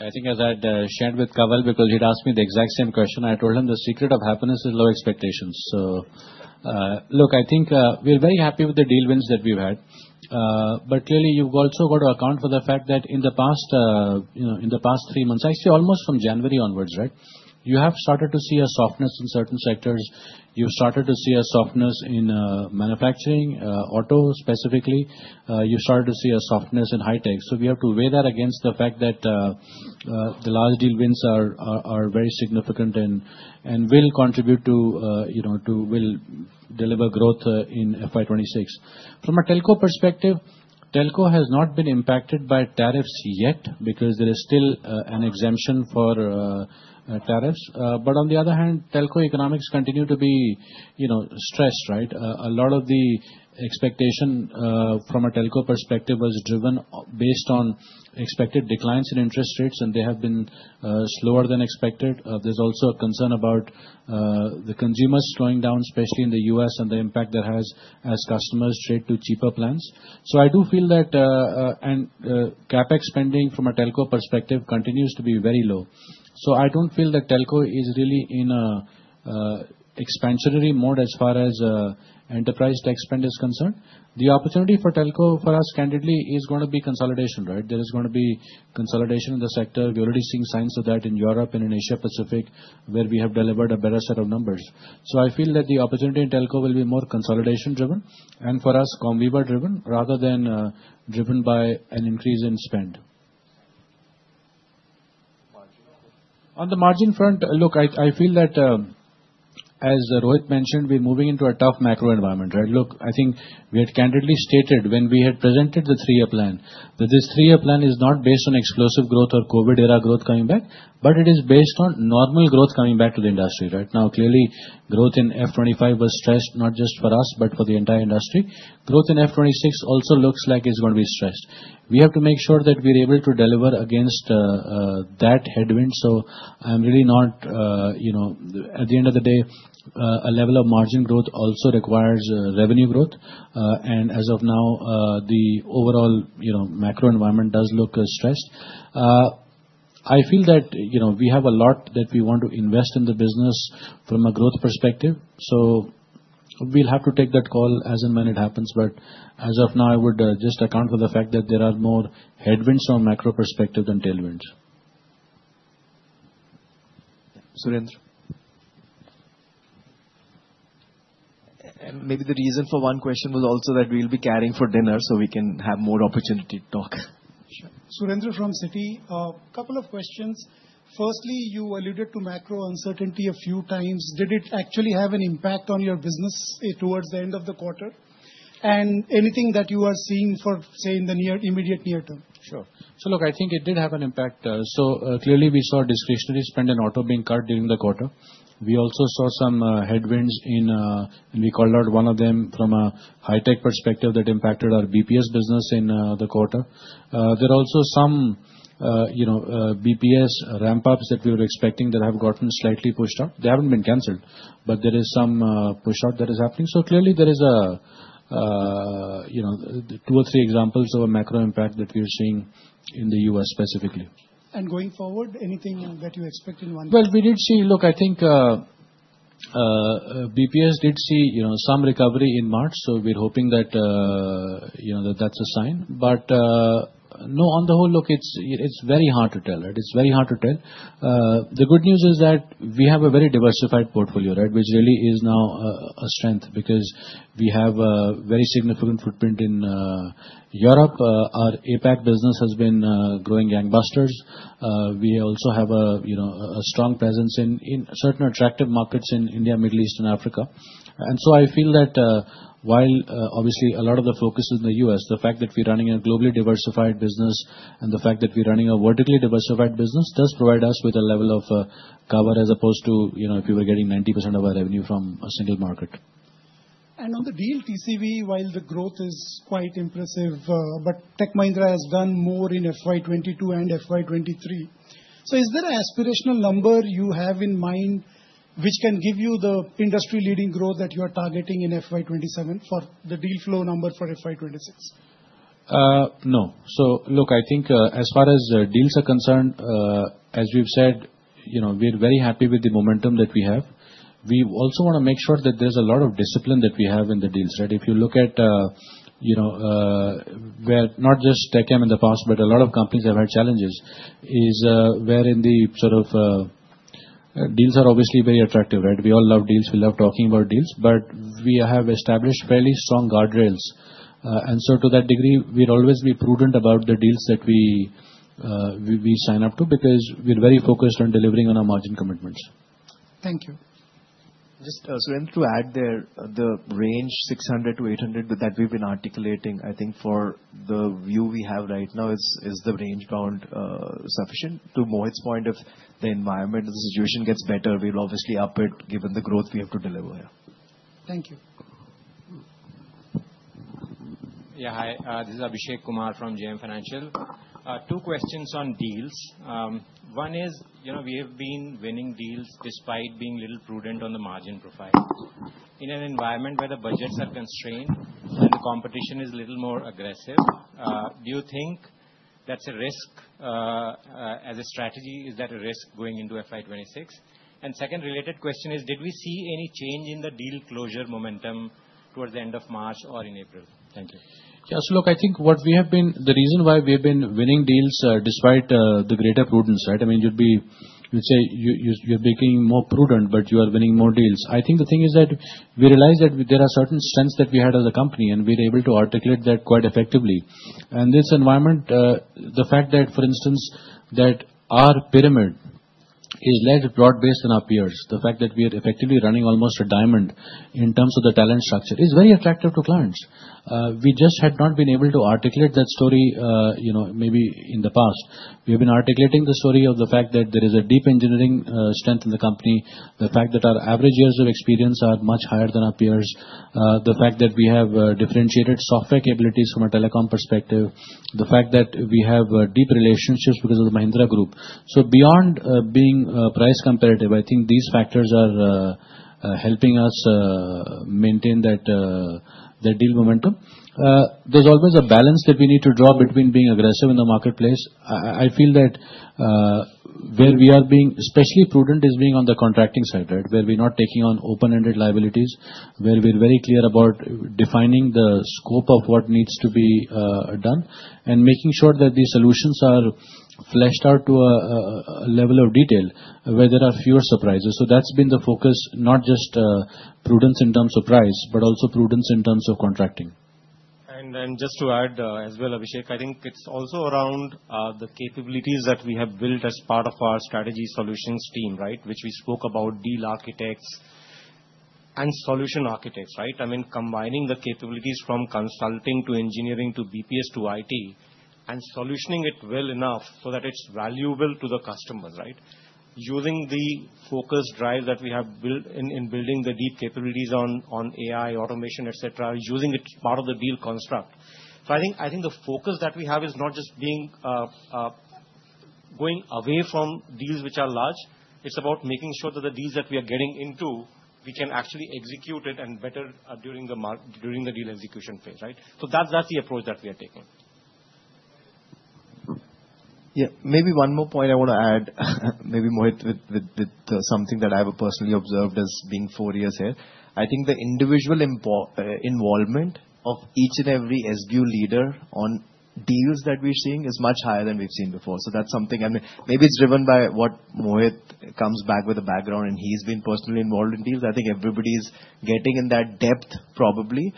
I think as I had shared with Kawal, because he had asked me the exact same question, I told him the secret of happiness is low expectations. Look, I think we are very happy with the deal wins that we have had. Clearly, you have also got to account for the fact that in the past three months, actually almost from January onwards, you have started to see a softness in certain sectors. You have started to see a softness in manufacturing, auto specifically. You have started to see a softness in high tech. We have to weigh that against the fact that the large deal wins are very significant and will contribute to, will deliver FY 2026 from a Telco perspective, Telco has not been impacted by tariffs yet because there is still an exemption for tariffs. On the other hand, Telco economics continue to be stressed. A lot of the expectation from a Telco perspective was driven based on expected declines in interest rates, and they have been slower than expected. There's also a concern about the consumers slowing down, especially in the U.S., and the impact that has as customers trade to cheaper plans. I do feel that CapEx spending from a Telco perspective continues to be very low. I do not feel that Telco is really in an expansionary mode as far as enterprise tech spend is concerned. The opportunity for Telco for us, candidly, is going to be consolidation. There is going to be consolidation in the sector. We are already seeing signs of that in Europe, in Asia Pacific, where we have delivered a better set of numbers. I feel that the opportunity in Telco will be more consolidation-driven and for us, com-lever driven rather than driven by an increase in spend. On the margin front, look, I feel that, as Rohit mentioned, we are moving into a tough macro environment. I think we had candidly stated when we had presented the three-year plan that this three-year plan is not based on explosive growth or COVID-era growth coming back, but it is based on normal growth coming back to the industry. Now, clearly, growth in 2025 was stressed, not just for us, but for the entire industry. FY 2026 also looks like it is going to be stressed. We have to make sure that we're able to deliver against that headwind. I'm really not, at the end of the day, a level of margin growth also requires revenue growth. As of now, the overall macro environment does look stressed. I feel that we have a lot that we want to invest in the business from a growth perspective. We will have to take that call as and when it happens. As of now, I would just account for the fact that there are more headwinds from a macro perspective than tailwinds. Maybe the reason for one question was also that we'll be carrying for dinner so we can have more opportunity to talk. Surendra from Citi, a couple of questions. Firstly, you alluded to macro uncertainty a few times. Did it actually have an impact on your business towards the end of the quarter? Anything that you are seeing for, say, in the immediate near-term? Sure. Look, I think it did have an impact. Clearly, we saw discretionary spend and auto being cut during the quarter. We also saw some headwinds in, and we called out one of them from a high-tech perspective that impacted our BPS business in the quarter. There are also some BPS ramp-ups that we were expecting that have gotten slightly pushed out. They have not been canceled, but there is some push-out that is happening. Clearly, there are two or three examples of a macro impact that we are seeing in the U.S. specifically. Going forward, anything that you expect in one year? We did see, look, I think BPS did see some recovery in March. We are hoping that is a sign. No, on the whole, look, it's very hard to tell. It's very hard to tell. The good news is that we have a very diversified portfolio, which really is now a strength because we have a very significant footprint in Europe. Our APAC business has been growing gangbusters. We also have a strong presence in certain attractive markets in India, Middle East, and Africa. I feel that while, obviously, a lot of the focus is in the U.S., the fact that we're running a globally diversified business and the fact that we're running a vertically diversified business does provide us with a level of cover as opposed to if we were getting 90% of our revenue from a single market. On the deal TCV, while the growth is quite impressive, Tech Mahindra has done FY 2023. is there an aspirational number you have in mind which can give you the industry-leading growth that you are in FY 2027 for the deal flow number for FY 2026? No. I think as far as deals are concerned, as we've said, we're very happy with the momentum that we have. We also want to make sure that there's a lot of discipline that we have in the deals. If you look at where not just TechM in the past, but a lot of companies have had challenges, is where in the sort of deals are obviously very attractive. We all love deals. We love talking about deals. We have established fairly strong guardrails. To that degree, we'll always be prudent about the deals that we sign up to because we're very focused on delivering on our margin commitments. Thank you. Just to add there, the range 600-800 that we've been articulating, I think for the view we have right now, is the range bound sufficient? To Mohit's point, if the environment and the situation gets better, we'll obviously up it given the growth we have to deliver. Thank you. Yeah, hi. This is Abhishek Kumar from JM Financial. Two questions on deals. One is we have been winning deals despite being a little prudent on the margin profile. In an environment where the budgets are constrained and the competition is a little more aggressive, do you think that's a risk as a strategy? Is that a risk FY 2026? and second related question is, did we see any change in the deal closure momentum towards the end of March or in April? Thank you. Yeah, look, I think what we have been, the reason why we have been winning deals despite the greater prudence, I mean, you'd say you're being more prudent, but you are winning more deals. I think the thing is that we realize that there are certain strengths that we had as a company, and we're able to articulate that quite effectively. In this environment, the fact that, for instance, our pyramid is less broad-based than our peers, the fact that we are effectively running almost a diamond in terms of the talent structure is very attractive to clients. We just had not been able to articulate that story maybe in the past. We have been articulating the story of the fact that there is a deep engineering strength in the company, the fact that our average years of experience are much higher than our peers, the fact that we have differentiated software capabilities from a telecom perspective, the fact that we have deep relationships because of the Mahindra Group. Beyond being price comparative, I think these factors are helping us maintain that deal momentum. There's always a balance that we need to draw between being aggressive in the marketplace. I feel that where we are being especially prudent is being on the contracting side, where we're not taking on open-ended liabilities, where we're very clear about defining the scope of what needs to be done and making sure that the solutions are fleshed out to a level of detail where there are fewer surprises. That's been the focus, not just prudence in terms of price, but also prudence in terms of contracting. Just to add as well, Abhishek, I think it's also around the capabilities that we have built as part of our strategy solutions team, which we spoke about, deal architects and solution architects. I mean, combining the capabilities from consulting to engineering to BPS to IT and solutioning it well enough so that it's valuable to the customers, using the focus drive that we have built in building the deep capabilities on AI, automation, etc., using it as part of the deal construct. I think the focus that we have is not just going away from deals which are large. It's about making sure that the deals that we are getting into, we can actually execute it and better during the deal execution phase. That is the approach that we are taking. Yeah. Maybe one more point I want to add, maybe Mohit, with something that I have personally observed as being four years here. I think the individual involvement of each and every SBU leader on deals that we are seeing is much higher than we have seen before. That is something, I mean, maybe it is driven by what Mohit comes back with a background, and he has been personally involved in deals. I think everybody is getting in that depth probably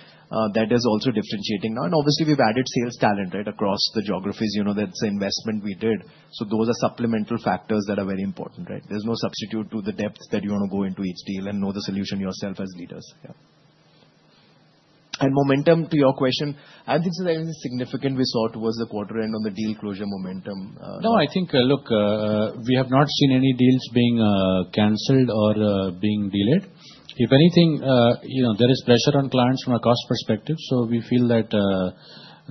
that is also differentiating now. Obviously, we have added sales talent across the geographies. That is the investment we did. Those are supplemental factors that are very important. There is no substitute to the depth that you want to go into each deal and know the solution yourself as leaders. Momentum to your question, I think this is significant. We saw towards the quarter end on the deal closure momentum. No, I think, look, we have not seen any deals being canceled or being delayed. If anything, there is pressure on clients from a cost perspective. We feel that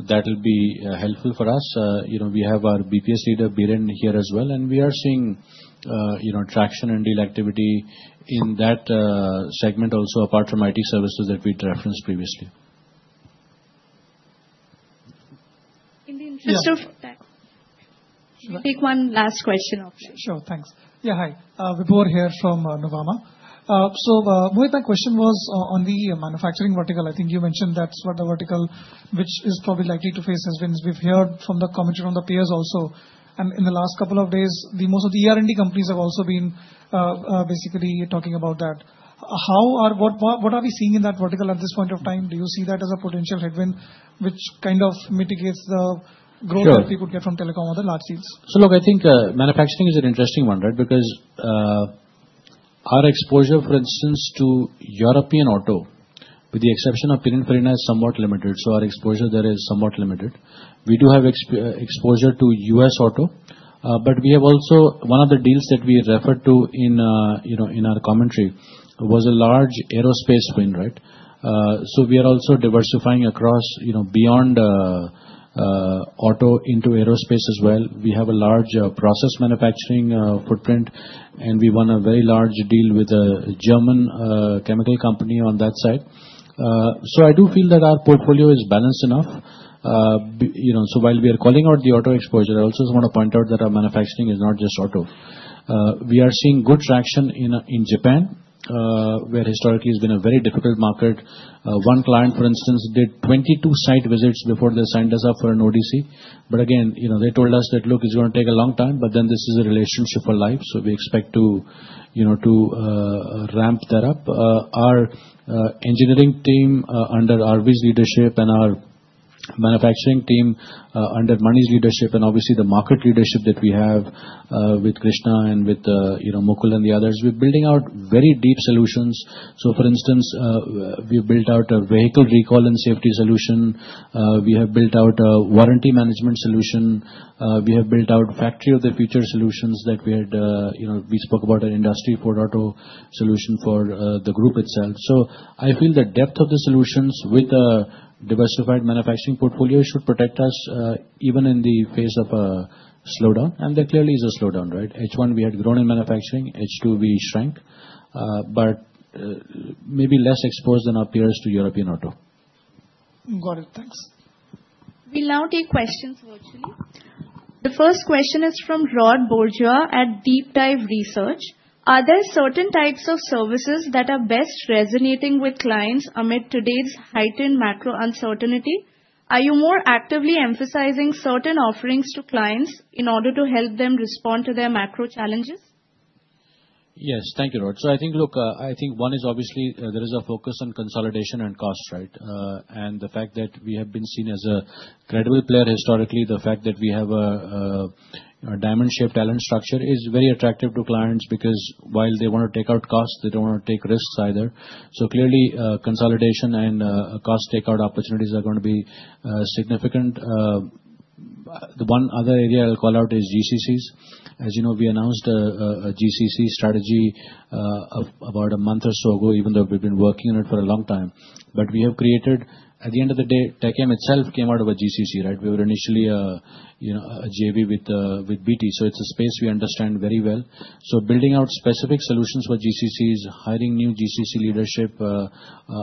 that will be helpful for us. We have our BPS leader, Biren, here as well. We are seeing traction and deal activity in that segment also, apart from IT services that we'd referenced previously. In the interest of time, take one last question offline. Sure. Thanks. Yeah, hi. Vibhor here from Nuvama. Mohit, my question was on the manufacturing vertical. I think you mentioned that's the vertical which is probably likely to face, has been, as we've heard from the commentary from the peers also. In the last couple of days, most of the ER&D companies have also been basically talking about that. What are we seeing in that vertical at this point of time? Do you see that as a potential headwind which kind of mitigates the growth that we could get from telecom or the large deals? I think manufacturing is an interesting one because our exposure, for instance, to European auto, with the exception of Pininfarina, is somewhat limited. Our exposure there is somewhat limited. We do have exposure to U.S. auto. We have also one of the deals that we referred to in our commentary was a large aerospace win. We are also diversifying across beyond auto into aerospace as well. We have a large process manufacturing footprint, and we won a very large deal with a German chemical company on that side. I do feel that our portfolio is balanced enough. While we are calling out the auto exposure, I also want to point out that our manufacturing is not just auto. We are seeing good traction in Japan, which historically has been a very difficult market. One client, for instance, did 22 site visits before they signed us up for an ODC. They told us that, look, it's going to take a long time, but then this is a relationship for life. We expect to ramp that up. Our engineering team under Arvish's leadership and our manufacturing team under Manish's leadership and obviously the market leadership that we have with Krishna and with Mukul and the others, we're building out very deep solutions. For instance, we've built out a vehicle recall and safety solution. We have built out a warranty management solution. We have built out Factory of the Future solutions that we had. We spoke about an Industry Ford Auto solution for the group itself. I feel the depth of the solutions with a diversified manufacturing portfolio should protect us even in the phase of a slowdown. There clearly is a slowdown. H1, we had grown in manufacturing. H2, we shrank, but maybe less exposed than our peers to European auto. Got it. Thanks. We'll now take questions virtually. The first question is from Rodd Bourgeois at Deep Dive Research. Are there certain types of services that are best resonating with clients amid today's heightened macro uncertainty? Are you more actively emphasizing certain offerings to clients in order to help them respond to their macro challenges? Yes. Thank you, Rodd. I think one is obviously there is a focus on consolidation and cost, and the fact that we have been seen as a credible player historically, the fact that we have a diamond-shaped talent structure is very attractive to clients because while they want to take out costs, they do not want to take risks either. Clearly, consolidation and cost takeout opportunities are going to be significant. The one other area I will call out is GCCs. As you know, we announced a GCC strategy about a month or so ago, even though we have been working on it for a long time. We have created, at the end of the day, TechM itself came out of a GCC. We were initially a JV with BT. It is a space we understand very well. Building out specific solutions for GCCs, hiring new GCC leadership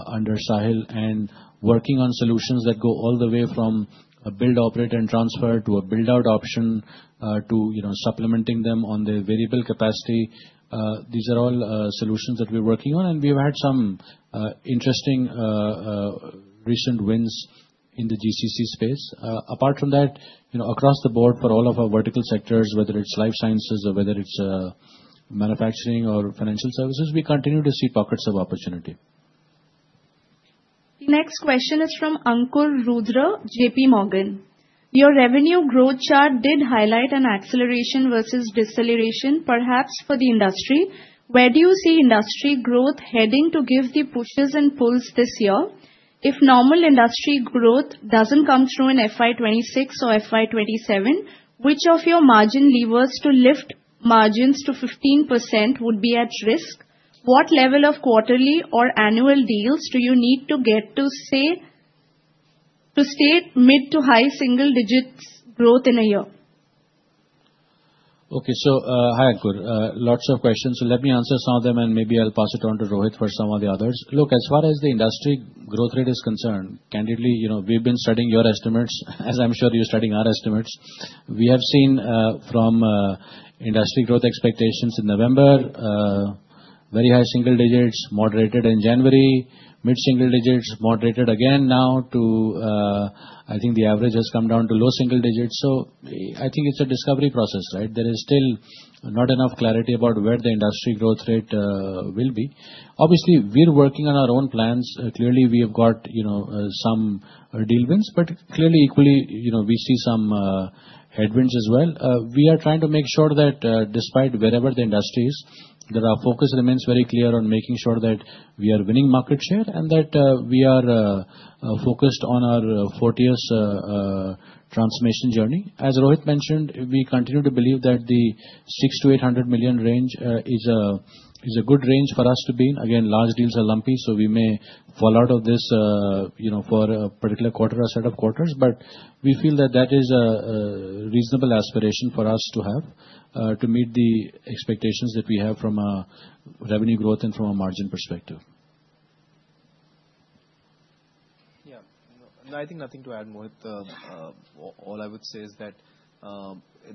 under Sahil, and working on solutions that go all the way from a build, operate, and transfer to a build-out option to supplementing them on the variable capacity, these are all solutions that we're working on. We've had some interesting recent wins in the GCC space. Apart from that, across the board for all of our vertical sectors, whether it's life sciences or whether it's manufacturing or financial services, we continue to see pockets of opportunity. The next question is from Ankur Rudra, JPMorgan. Your revenue growth chart did highlight an acceleration versus deceleration, perhaps for the industry. Where do you see industry growth heading to give the pushes and pulls this year? If normal industry growth does not come FY 2027, which of your margin levers to lift margins to 15% would be at risk? What level of quarterly or annual deals do you need to get to stay mid to high single-digit growth in a year? Okay. Hi, Ankur. Lots of questions. Let me answer some of them, and maybe I will pass it on to Rohit for some of the others. Look, as far as the industry growth rate is concerned, candidly, we have been studying your estimates, as I am sure you are studying our estimates. We have seen from industry growth expectations in November, very high single digits, moderated in January, mid-single digits, moderated again now to, I think the average has come down to low single digits. I think it is a discovery process. There is still not enough clarity about where the industry growth rate will be. Obviously, we're working on our own plans. Clearly, we have got some deal wins, but clearly, equally, we see some headwinds as well. We are trying to make sure that despite wherever the industry is, that our focus remains very clear on making sure that we are winning market share and that we are focused on our 40 years transmission journey. As Rohit mentioned, we continue to believe that the $600 million-$800 million range is a good range for us to be in. Again, large deals are lumpy, so we may fall out of this for a particular set of quarters. We feel that that is a reasonable aspiration for us to have to meet the expectations that we have from a revenue growth and from a margin perspective. And I think nothing to add. Mohit, all I would say is that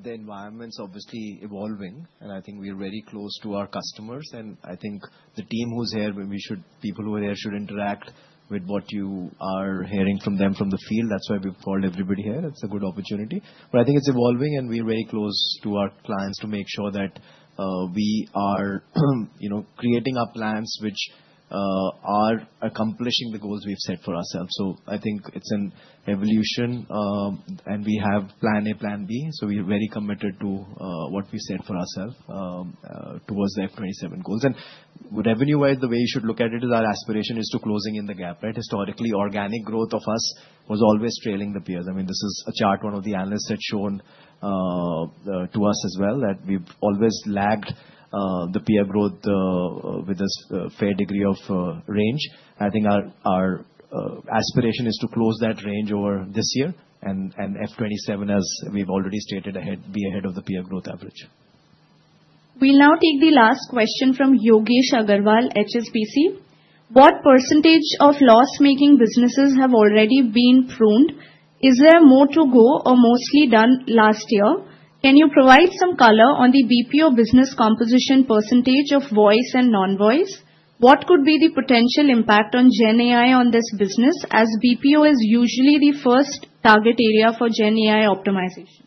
the environment's obviously evolving, and I think we're very close to our customers. I think the team who's here, people who are here should interact with what you are hearing from them from the field. That's why we've called everybody here. It's a good opportunity. I think it's evolving, and we're very close to our clients to make sure that we are creating our plans which are accomplishing the goals we've set for ourselves. I think it's an evolution, and we have plan A, plan B. We're very committed to what we set for ourselves towards the F2027 goals. Revenue-wise, the way you should look at it is our aspiration is to closing in the gap. Historically, organic growth of us was always trailing the peers. I mean, this is a chart one of the analysts had shown to us as well, that we've always lagged the peer growth with a fair degree of range. I think our aspiration is to close that range over this year and F2027, as we've already stated, be ahead of the peer growth average. We'll now take the last question from Yoggesh Agarwal, HSBC. What percentage of loss-making businesses have already been pruned? Is there more to go or mostly done last year? Can you provide some color on the BPO business composition percentage of voice and non-voice? What could be the potential impact on GenAI on this business, as BPO is usually the first target area for GenAI optimization?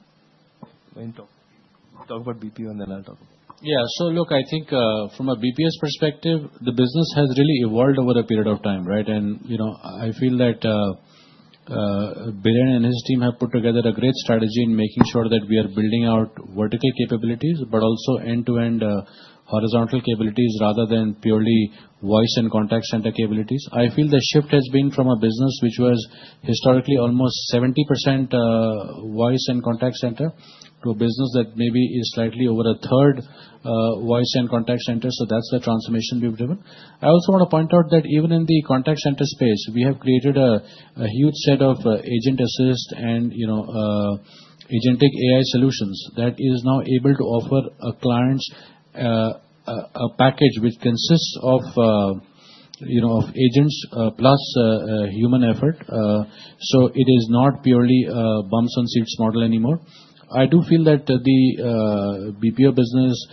Talk about BPO and then I'll talk. Yeah. So look, I think from a BPS perspective, the business has really evolved over a period of time. I feel that Biren and his team have put together a great strategy in making sure that we are building out vertical capabilities, but also end-to-end horizontal capabilities rather than purely voice and contact center capabilities. I feel the shift has been from a business which was historically almost 70% voice and contact center to a business that maybe is slightly over a third voice and contact center. That is the transformation we have driven. I also want to point out that even in the contact center space, we have created a huge set of agent assist and agentic AI solutions that is now able to offer clients a package which consists of agents plus human effort. It is not purely a bumps-and-seats model anymore. I do feel that the BPO business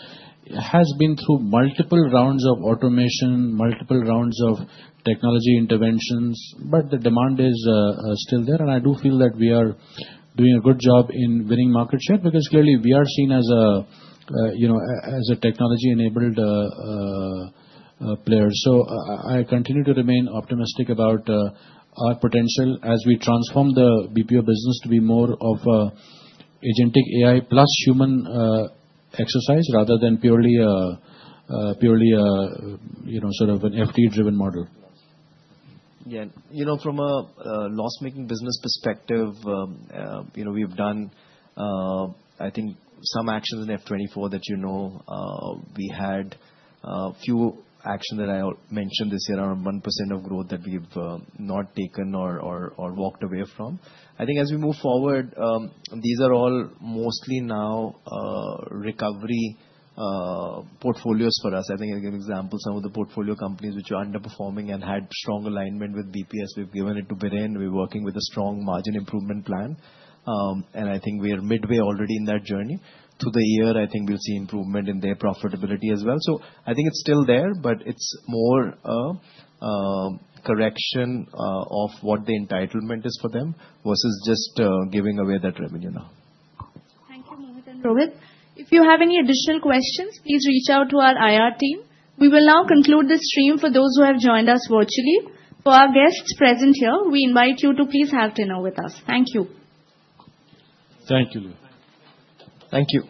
has been through multiple rounds of automation, multiple rounds of technology interventions, but the demand is still there. I do feel that we are doing a good job in winning market share because clearly we are seen as a technology-enabled player. I continue to remain optimistic about our potential as we transform the BPO business to be more of an agentic AI plus human exercise rather than purely sort of an FT-driven model. From a loss-making business perspective, we've done, I think, some actions in FY 2024 that you know we had. Few actions that I mentioned this year around 1% of growth that we've not taken or walked away from. I think as we move forward, these are all mostly now recovery portfolios for us. I think I'll give an example. Some of the portfolio companies which are underperforming and had strong alignment with BPS, we've given it to Biren. We're working with a strong margin improvement plan. I think we're midway already in that journey. Through the year, I think we'll see improvement in their profitability as well. I think it's still there, but it's more correction of what the entitlement is for them versus just giving away that revenue now. Thank you, Mohit and Rohit. If you have any additional questions, please reach out to our IR team. We will now conclude the stream for those who have joined us virtually. For our guests present here, we invite you to please have dinner with us. Thank you. Thank you. Thank you.